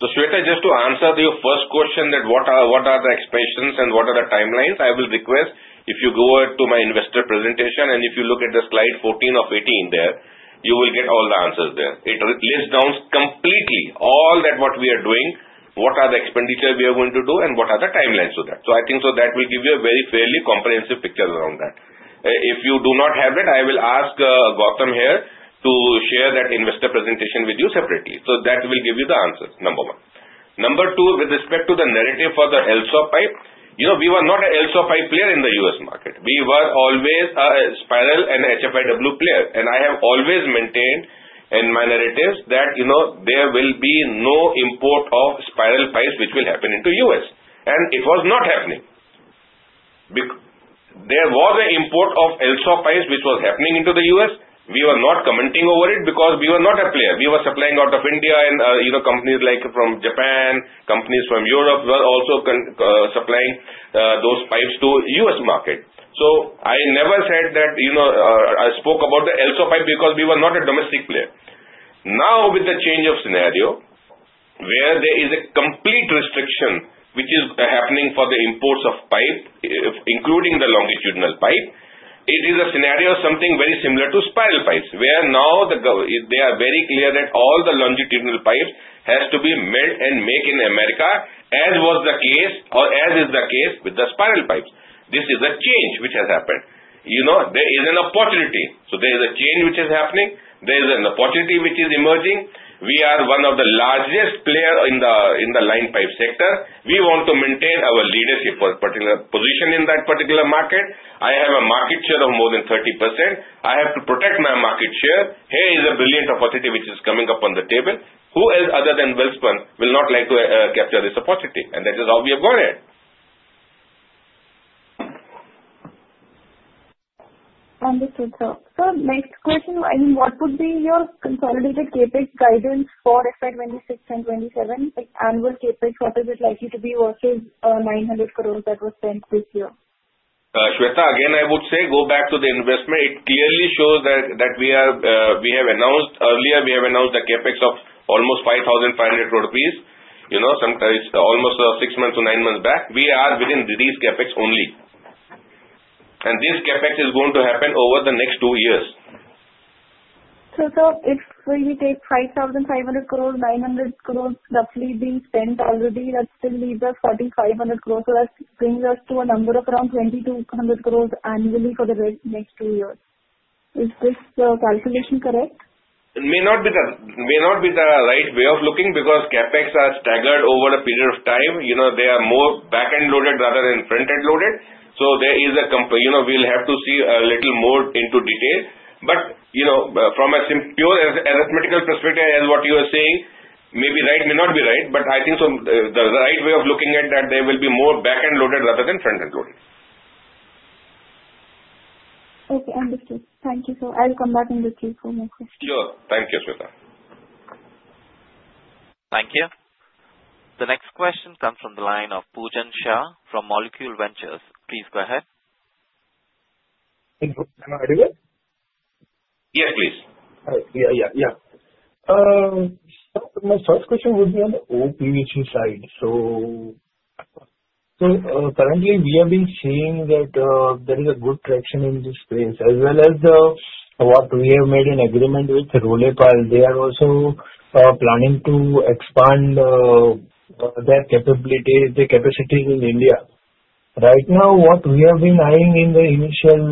So, Shweta, just to answer your first question that what are the expansions and what are the timelines, I will request if you go to my investor presentation and if you look at the slide 14 of 18 there, you will get all the answers there. It lists down completely all that what we are doing, what are the expenditure we are going to do, and what are the timelines for that. So I think so that will give you a very fairly comprehensive picture around that. If you do not have it, I will ask Goutam here to share that investor presentation with you separately. So that will give you the answer, number one. Number two, with respect to the narrative for the LSAW pipe, we were not a LSAW pipe player in the U.S. market. We were always a spiral and HFIW player. And I have always maintained in my narratives that there will be no import of spiral pipes which will happen into U.S. And it was not happening. There was an import of LSAW pipes which was happening into the U.S. We were not commenting over it because we were not a player. We were supplying out of India and companies from Japan, companies from Europe were also supplying those pipes to the U.S. market. I never said that I spoke about the LSAW pipe because we were not a domestic player. Now, with the change of scenario where there is a complete restriction which is happening for the imports of pipe, including the longitudinal pipe, it is a scenario something very similar to spiral pipes where now they are very clear that all the longitudinal pipes have to be made in America, as was the case or as is the case with the spiral pipes. This is a change which has happened. There is an opportunity. So there is a change which is happening. There is an opportunity which is emerging. We are one of the largest players in the line pipe sector. We want to maintain our leadership for a particular position in that particular market. I have a market share of more than 30%. I have to protect my market share. Here is a brilliant opportunity which is coming up on the table. Who else other than Welspun will not like to capture this opportunity? And that is how we have gone ahead. Understood, sir. So next question, I mean, what would be your consolidated CapEx guidance for FY 2026 and 2027? Annual CapEx, what is it likely to be versus 900 crores that was spent this year? Shweta, again, I would say go back to the investment. It clearly shows that we have announced earlier, we have announced the CapEx of almost 5,500 crore rupees, almost six months to nine months back. We are within these CapEx only. And this CapEx is going to happen over the next two years. So if we take 5,500 crore, 900 crore roughly being spent already, that still leaves us 4,500 crore. So that brings us to a number of around 2,200 crores annually for the next two years. Is this calculation correct? It may not be the right way of looking because CapEx are staggered over a period of time. They are more back-end loaded rather than front-end loaded. So, there is. We'll have to see a little more into detail. But from a pure arithmetical perspective, as what you are saying, may be right, may not be right, but I think so the right way of looking at that, there will be more back-end loaded rather than front-end loaded. Okay. Understood. Thank you, sir. I'll come back and just look for more questions. Sure. Thank you, Shweta. Thank you. The next question comes from the line of Pujan Shah from Molecule Ventures. Please go ahead. Can I do it? Yes, please. Yeah. Yeah. Yeah. So my first question would be on the OPVC side. So currently, we have been seeing that there is a good traction in this space as well as what we have made an agreement with Rollepaal. They are also planning to expand their capacities in India. Right now, what we have been eyeing in the initial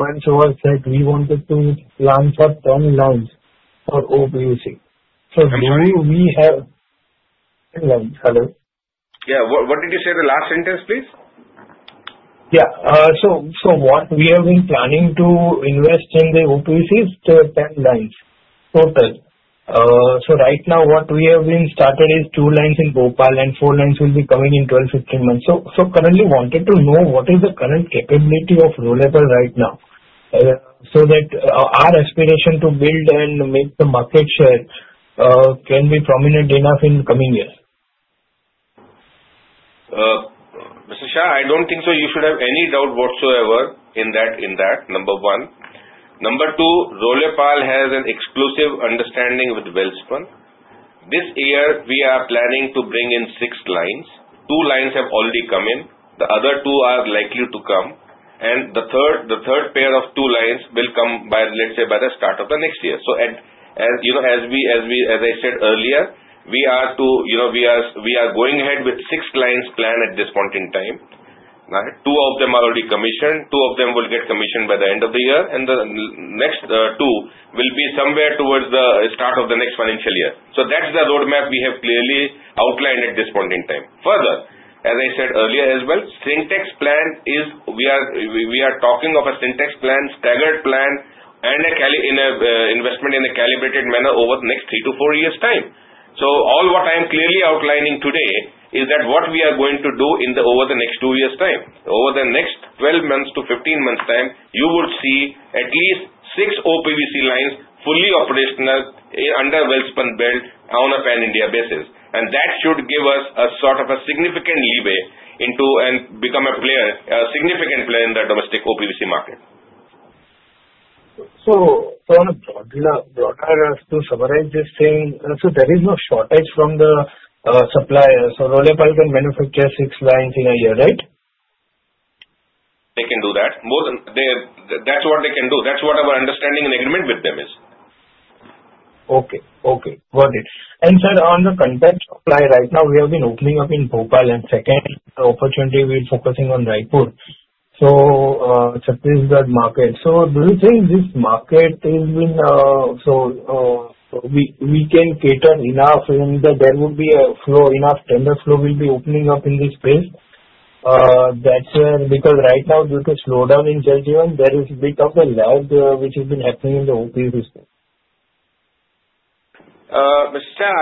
months was that we wanted to plan for 10 lines for OPVC. So we have 10 lines. Hello? Yeah. What did you say the last sentence, please? Yeah. So what we have been planning to invest in the OPVC is 10 lines total. So right now, what we have been started is two lines in Bhopal and four lines will be coming in 12-15 months. So, currently wanted to know what is the current capability of Rollepaal right now so that our aspiration to build and make the market share can be prominent enough in the coming years. Mr. Shah, I don't think so you should have any doubt whatsoever in that, number one. Number two, Rollepaal has an exclusive understanding with Welspun. This year, we are planning to bring in six lines. Two lines have already come in. The other two are likely to come. And the third pair of two lines will come, let's say, by the start of the next year. So as I said earlier, we are going ahead with six lines planned at this point in time. Two of them are already commissioned. Two of them will get commissioned by the end of the year. And the next two will be somewhere towards the start of the next financial year. So that's the roadmap we have clearly outlined at this point in time. Further, as I said earlier as well, Sintex plan is we are talking of a Sintex plan, staggered plan, and an investment in a calibrated manner over the next three to four years' time. So all what I'm clearly outlining today is that what we are going to do over the next two years' time. Over the next 12 months to 15 months' time, you would see at least six OPVC lines fully operational under Welspun build on a pan-India basis. And that should give us a sort of a significant leeway into and become a significant player in the domestic OPVC market. So on a broader to summarize this thing, so there is no shortage from the suppliers. So Rollepaal can manufacture six lines in a year, right? They can do that. That's what they can do. That's what our understanding and agreement with them is. Okay. Okay. Got it. And sir, on the contact supply right now, we have been opening up in Bhopal and second opportunity, we're focusing on Raipur. So Saurashtra market. So do you think this market is being so we can cater enough in that there would be a flow, enough tender flow will be opening up in this space? That's because right now, due to slowdown in Jal Jeevan, there is a bit of a lag which has been happening in the OPVC. Mr. Shah,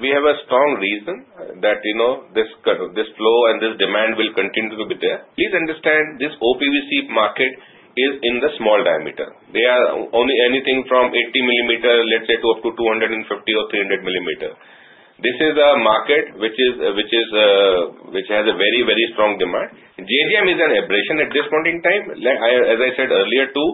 we have a strong reason that this flow and this demand will continue to be there. Please understand this OPVC market is in the small diameter. They are only anything from 80 millimeter, let's say, to up to 250 or 300 millimeter. This is a market which has a very, very strong demand. JGM is an aberration at this point in time. As I said earlier too,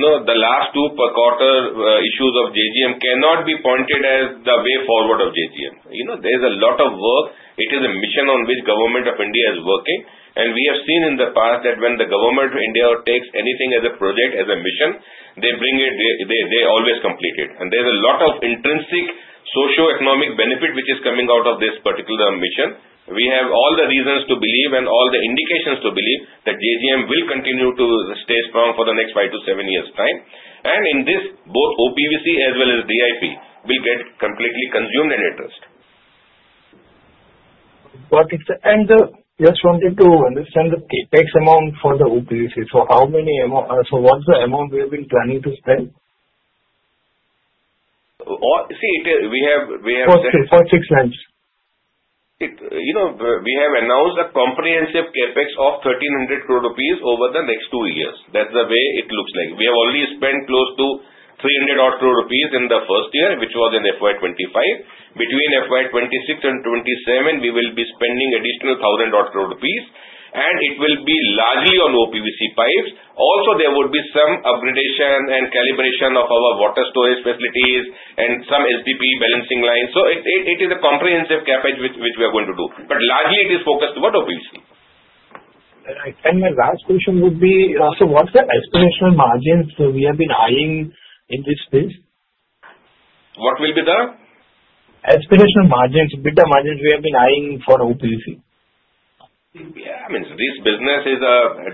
the last two quarter issues of JGM cannot be pointed as the way forward of JGM. There is a lot of work. It is a mission on which Government of India is working. And we have seen in the past that when the Government of India takes anything as a project, as a mission, they bring it, they always complete it. And there is a lot of intrinsic socio-economic benefit which is coming out of this particular mission. We have all the reasons to believe and all the indications to believe that JGM will continue to stay strong for the next five to seven years' time. And in this, both OPVC as well as DIP will get completely consumed and interested. Got it. And just wanted to understand the CapEx amount for the OPVC. So how many amount so what's the amount we have been planning to spend? See, we have spent for six lines. We have announced a comprehensive CapEx of 1,300 crore rupees over the next two years. That's the way it looks like. We have already spent close to 300-odd crore rupees in the first year, which was in FY 2025. Between FY 2026 and 2027, we will be spending additional 1,000-odd crore rupees. And it will be largely on OPVC pipes. Also, there would be some upgradation and calibration of our water storage facilities and some SDP balancing lines. So it is a comprehensive CapEx which we are going to do. But largely, it is focused toward OPVC. And my last question would be, so what's the expected margins we have been eyeing in this space? What will be the EBITDA? Margins we have been eyeing for OPVC? Yeah. I mean, this business is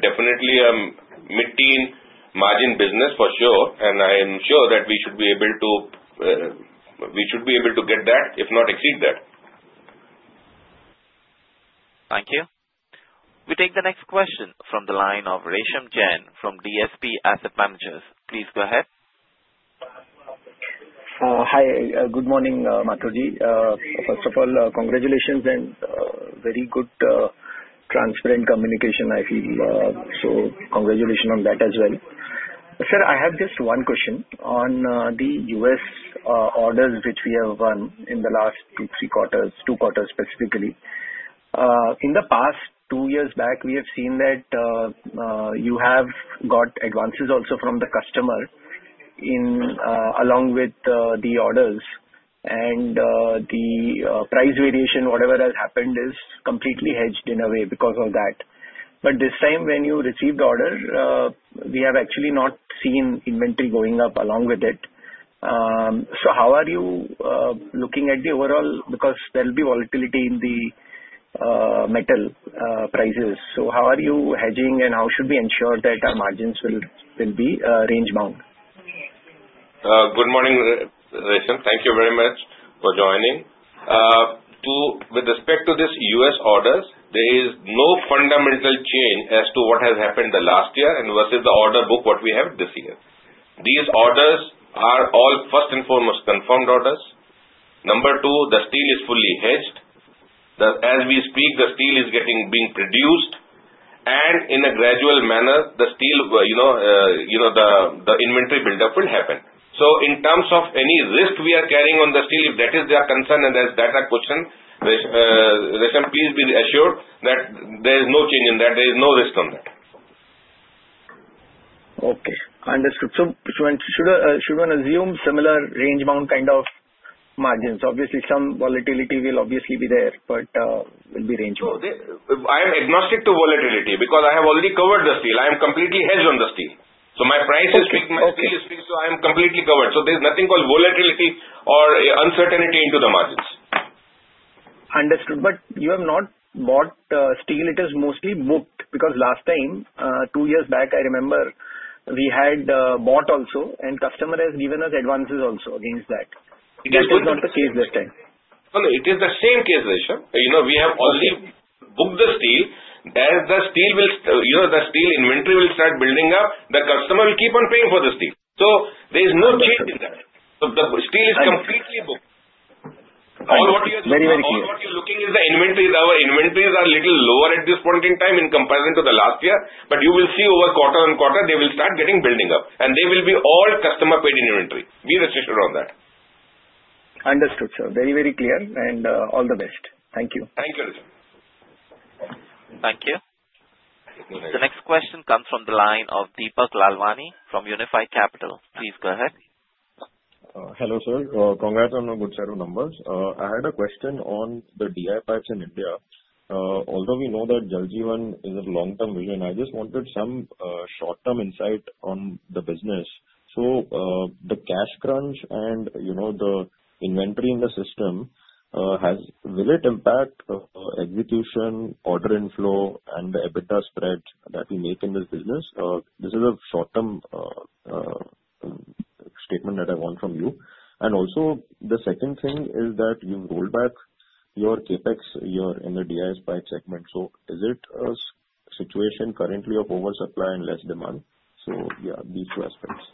definitely a mid-teen margin business for sure. And I am sure that we should be able to get that, if not exceed that. Thank you. We take the next question from the line of Resham Jain from DSP Asset Managers. Please go ahead. Hi. Good morning, Mathur. First of all, congratulations and very good transparent communication, I feel. So congratulations on that as well. Sir, I have just one question on the US orders which we have won in the last two, three quarters, two quarters specifically. In the past two years back, we have seen that you have got advances also from the customer along with the orders. And the price variation, whatever has happened, is completely hedged in a way because of that. But this time, when you received the order, we have actually not seen inventory going up along with it. So how are you looking at the overall because there will be volatility in the metal prices? So how are you hedging and how should we ensure that our margins will be range bound? Good morning, Resham. Thank you very much for joining. With respect to these U.S. orders, there is no fundamental change as to what has happened the last year versus the order book what we have this year. These orders are all, first and foremost, confirmed orders. Number two, the steel is fully hedged. As we speak, the steel is being produced. And in a gradual manner, the steel, the inventory buildup will happen. So in terms of any risk we are carrying on the steel, if that is your concern and that's that question, Resham, please be assured that there is no change in that. There is no risk on that. Okay. Understood. So should one assume similar range bound kind of margins? Obviously, some volatility will obviously be there, but it will be range bound. I am agnostic to volatility because I have already covered the steel. I am completely hedged on the steel. So my price is speaking, my steel is speaking, so I am completely covered. So there is nothing called volatility or uncertainty into the margins. Understood. But you have not bought steel. It is mostly booked because last time, two years back, I remember we had bought also, and customer has given us advances also against that. It is not the case this time. No, no. It is the same case, Resham. We have already booked the steel. As the steel will, the steel inventory will start building up, the customer will keep on paying for the steel. So there is no change in that. The steel is completely booked. All what you are looking is the inventory. Our inventories are a little lower at this point in time in comparison to the last year. But you will see over quarter on quarter, they will start getting building up. And they will be all customer-paid inventory. Be restricted on that. Understood, sir. Very, very clear. And all the best. Thank you. Thank you, Resham. Thank you. The next question comes from the line of Deepak Lalwani from Unifi Capital. Please go ahead. Hello, sir. Congrats on a good set of numbers. I had a question on the DI pipes in India. Although we know that Jal Jeevan is a long-term vision, I just wanted some short-term insight on the business. So the cash crunch and the inventory in the system, will it impact execution, order inflow, and the EBITDA spread that we make in this business? This is a short-term statement that I want from you, and also, the second thing is that you rolled back your CapEx in the DI pipe segment, so is it a situation currently of oversupply and less demand, so yeah, these two aspects.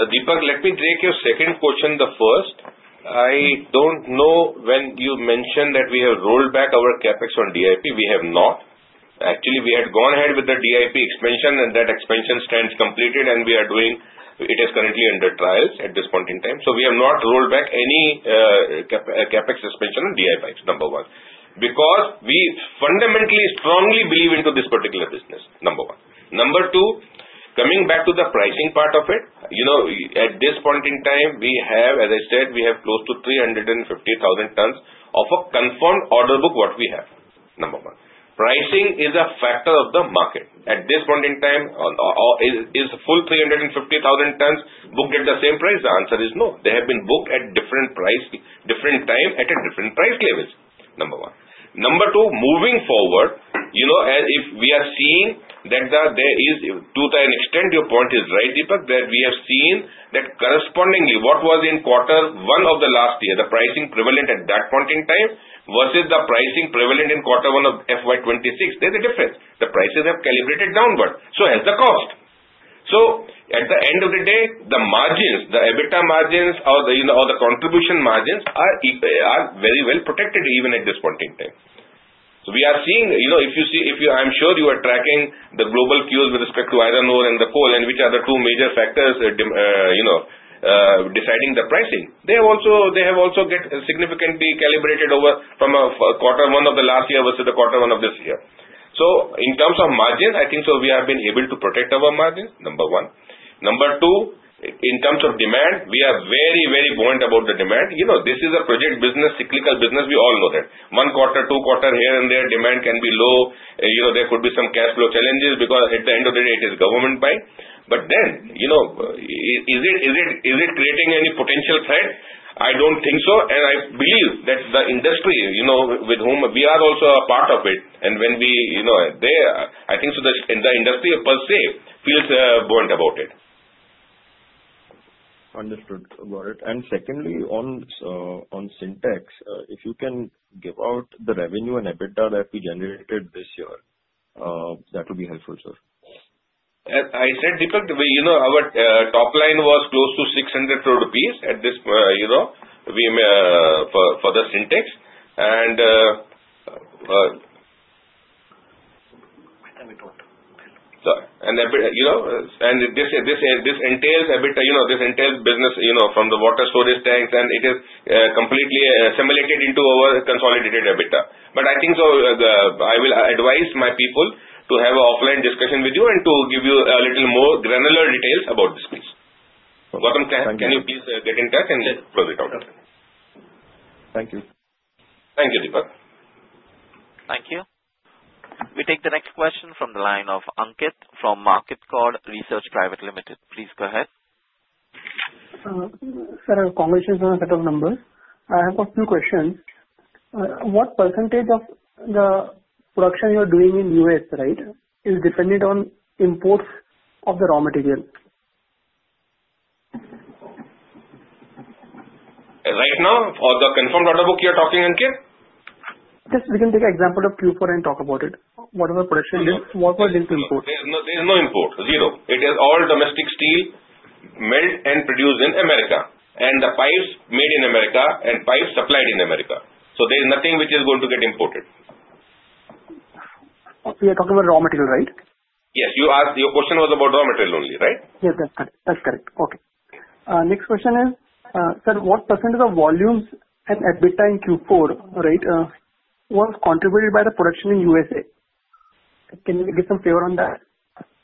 Deepak, let me take your second question, the first. I don't know when you mentioned that we have rolled back our CapEx on DIP. We have not. Actually, we had gone ahead with the DIP expansion, and that expansion stands completed, and it is currently under trials at this point in time. So we have not rolled back any CapEx expansion on DI pipes, number one, because we fundamentally strongly believe into this particular business, number one. Number two, coming back to the pricing part of it, at this point in time, we have, as I said, we have close to 350,000 tons of a confirmed order book what we have, number one. Pricing is a factor of the market. At this point in time, is full 350,000 tons booked at the same price? The answer is no. They have been booked at different price, different time at a different price levels, number one. Number two, moving forward, if we are seeing that there is, to the extent your point is right, Deepak, that we have seen that correspondingly what was in quarter one of the last year, the pricing prevalent at that point in time versus the pricing prevalent in quarter one of FY 2026, there is a difference. The prices have calibrated downward, so has the cost. So at the end of the day, the margins, the EBITDA margins or the contribution margins are very well protected even at this point in time. So we are seeing, if you see, I'm sure you are tracking the global cues with respect to iron ore and the coal and which are the two major factors deciding the pricing. They have also got significantly calibrated over from quarter one of the last year versus the quarter one of this year. In terms of margins, I think so we have been able to protect our margins, number one. Number two, in terms of demand, we are very, very buoyant about the demand. This is a project business, cyclical business. We all know that. One quarter, two quarter, here and there, demand can be low. There could be some cash flow challenges because at the end of the day, it is government buy. But then, is it creating any potential threat? I don't think so. I believe that the industry with whom we are also a part of it, and when we there, I think so the industry per se feels buoyant about it. Understood. Got it. Secondly, on Sintex, if you can give out the revenue and EBITDA that we generated this year, that would be helpful, sir. I said, Deepak, our top line was close to 600 crore rupees at this for the Sintex. And this entails EBITDA. This entails business from the water storage tanks, and it is completely assimilated into our consolidated EBITDA. But I think so I will advise my people to have an offline discussion with you and to give you a little more granular details about this piece. Goutam, can you please get in touch and close it out? Thank you. Thank you, Deepak. Thank you. We take the next question from the line of Ankit from Marketcord Research Private Limited. Please go ahead Sir, congratulations on the set of numbers. I have a few questions. What percentage of the production you are doing in the US, right, is dependent on imports of the raw material? Right now, for the confirmed order book, you are talking, Ankit? Just we can take an example of Q4 and talk about it. What was the production? What was linked to import? There is no import. Zero. It is all domestic steel melt and produced in America. And the pipes made in America and pipes supplied in America. So there is nothing which is going to get imported. You're talking about raw material, right? Yes. Your question was about raw material only, right? Yes, that's correct. That's correct. Okay. Next question is, sir, what percent of volumes and EBITDA in Q4, right, was contributed by the production in USA? Can you give some flavor on that?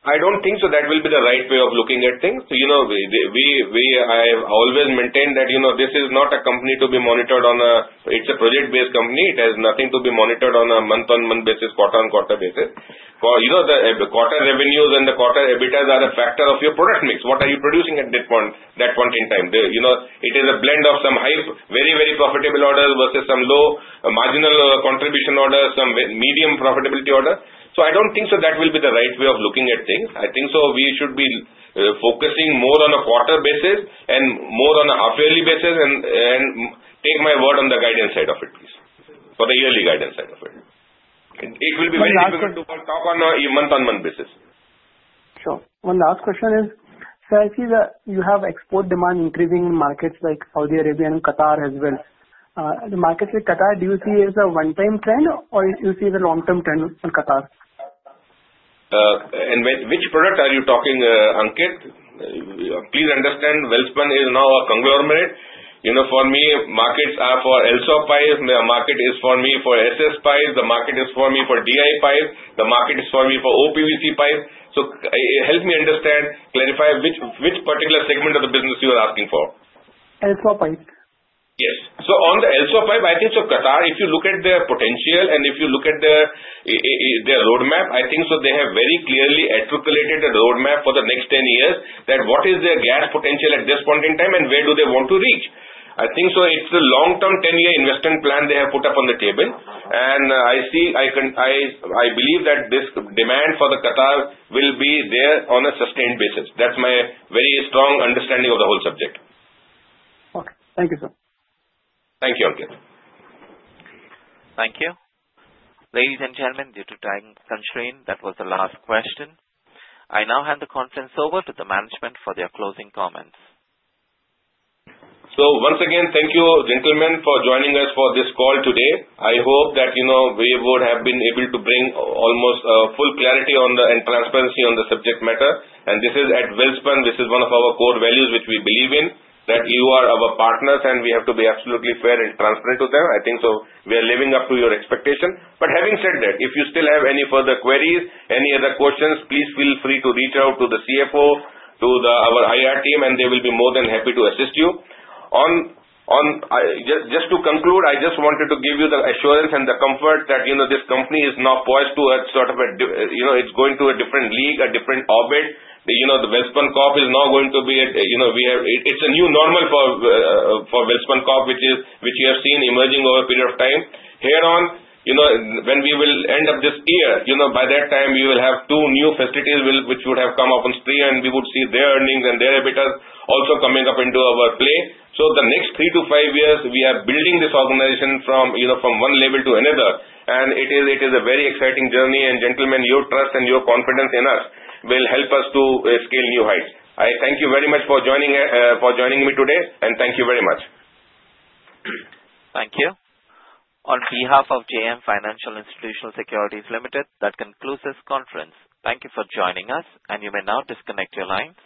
I don't think so. That will be the right way of looking at things. We have always maintained that this is not a company to be monitored on a. It's a project-based company. It has nothing to be monitored on a month-on-month basis, quarter-on-quarter basis. The quarter revenues and the quarter EBITDAs are a factor of your product mix. What are you producing at that point in time? It is a blend of some very, very profitable orders versus some low marginal contribution orders, some medium profitability orders. So I don't think so that will be the right way of looking at things. I think so we should be focusing more on a quarter basis and more on a half-yearly basis and take my word on the guidance side of it, please, for the yearly guidance side of it. It will be very difficult to talk on a month-on-month basis. Sure. One last question is, sir, I see that you have export demand increasing in markets like Saudi Arabia and Qatar as well. The markets in Qatar, do you see as a one-time trend or you see as a long-term trend in Qatar? Which product are you talking about, Ankit? Please understand, Welspun is now a conglomerate. For me, markets are for LSAW pipes. The market is for me for SS pipes. The market is for me for DI pipes. The market is for me for OPVC pipes. So help me understand, clarify which particular segment of the business you are asking for. LSAW pipe. Yes. So on the LSAW pipe, I think so Qatar, if you look at their potential and if you look at their roadmap, I think so they have very clearly articulated a roadmap for the next 10 years that what is their gas potential at this point in time and where do they want to reach. I think so it's a long-term 10-year investment plan they have put up on the table. And I believe that this demand for Qatar will be there on a sustained basis. That's my very strong understanding of the whole subject. Okay. Thank you, sir. Thank you, Ankit. Thank you. Ladies and gentlemen, due to time constraint, that was the last question. I now hand the conference over to the management for their closing comments. So once again, thank you, gentlemen, for joining us for this call today. I hope that we would have been able to bring almost full clarity and transparency on the subject matter. And this is at Welspun. This is one of our core values which we believe in that you are our partners and we have to be absolutely fair and transparent to them. I think so we are living up to your expectation. But having said that, if you still have any further queries, any other questions, please feel free to reach out to the CFO, to our IR team, and they will be more than happy to assist you. Just to conclude, I just wanted to give you the assurance and the comfort that this company is now poised to sort of it's going to a different league, a different orbit. The Welspun Corp is now going to be it's a new normal for Welspun Corp, which you have seen emerging over a period of time. Here on, when we will end up this year, by that time, we will have two new facilities which would have come up on stream, and we would see their earnings and their EBITDAs also coming up into our play. So the next three-to-five years, we are building this organization from one level to another, and it is a very exciting journey, and gentlemen, your trust and your confidence in us will help us to scale new heights. I thank you very much for joining me today, and thank you very much. Thank you. On behalf of JM Financial Institutional Securities Limited, that concludes this conference. Thank you for joining us, and you may now disconnect your lines.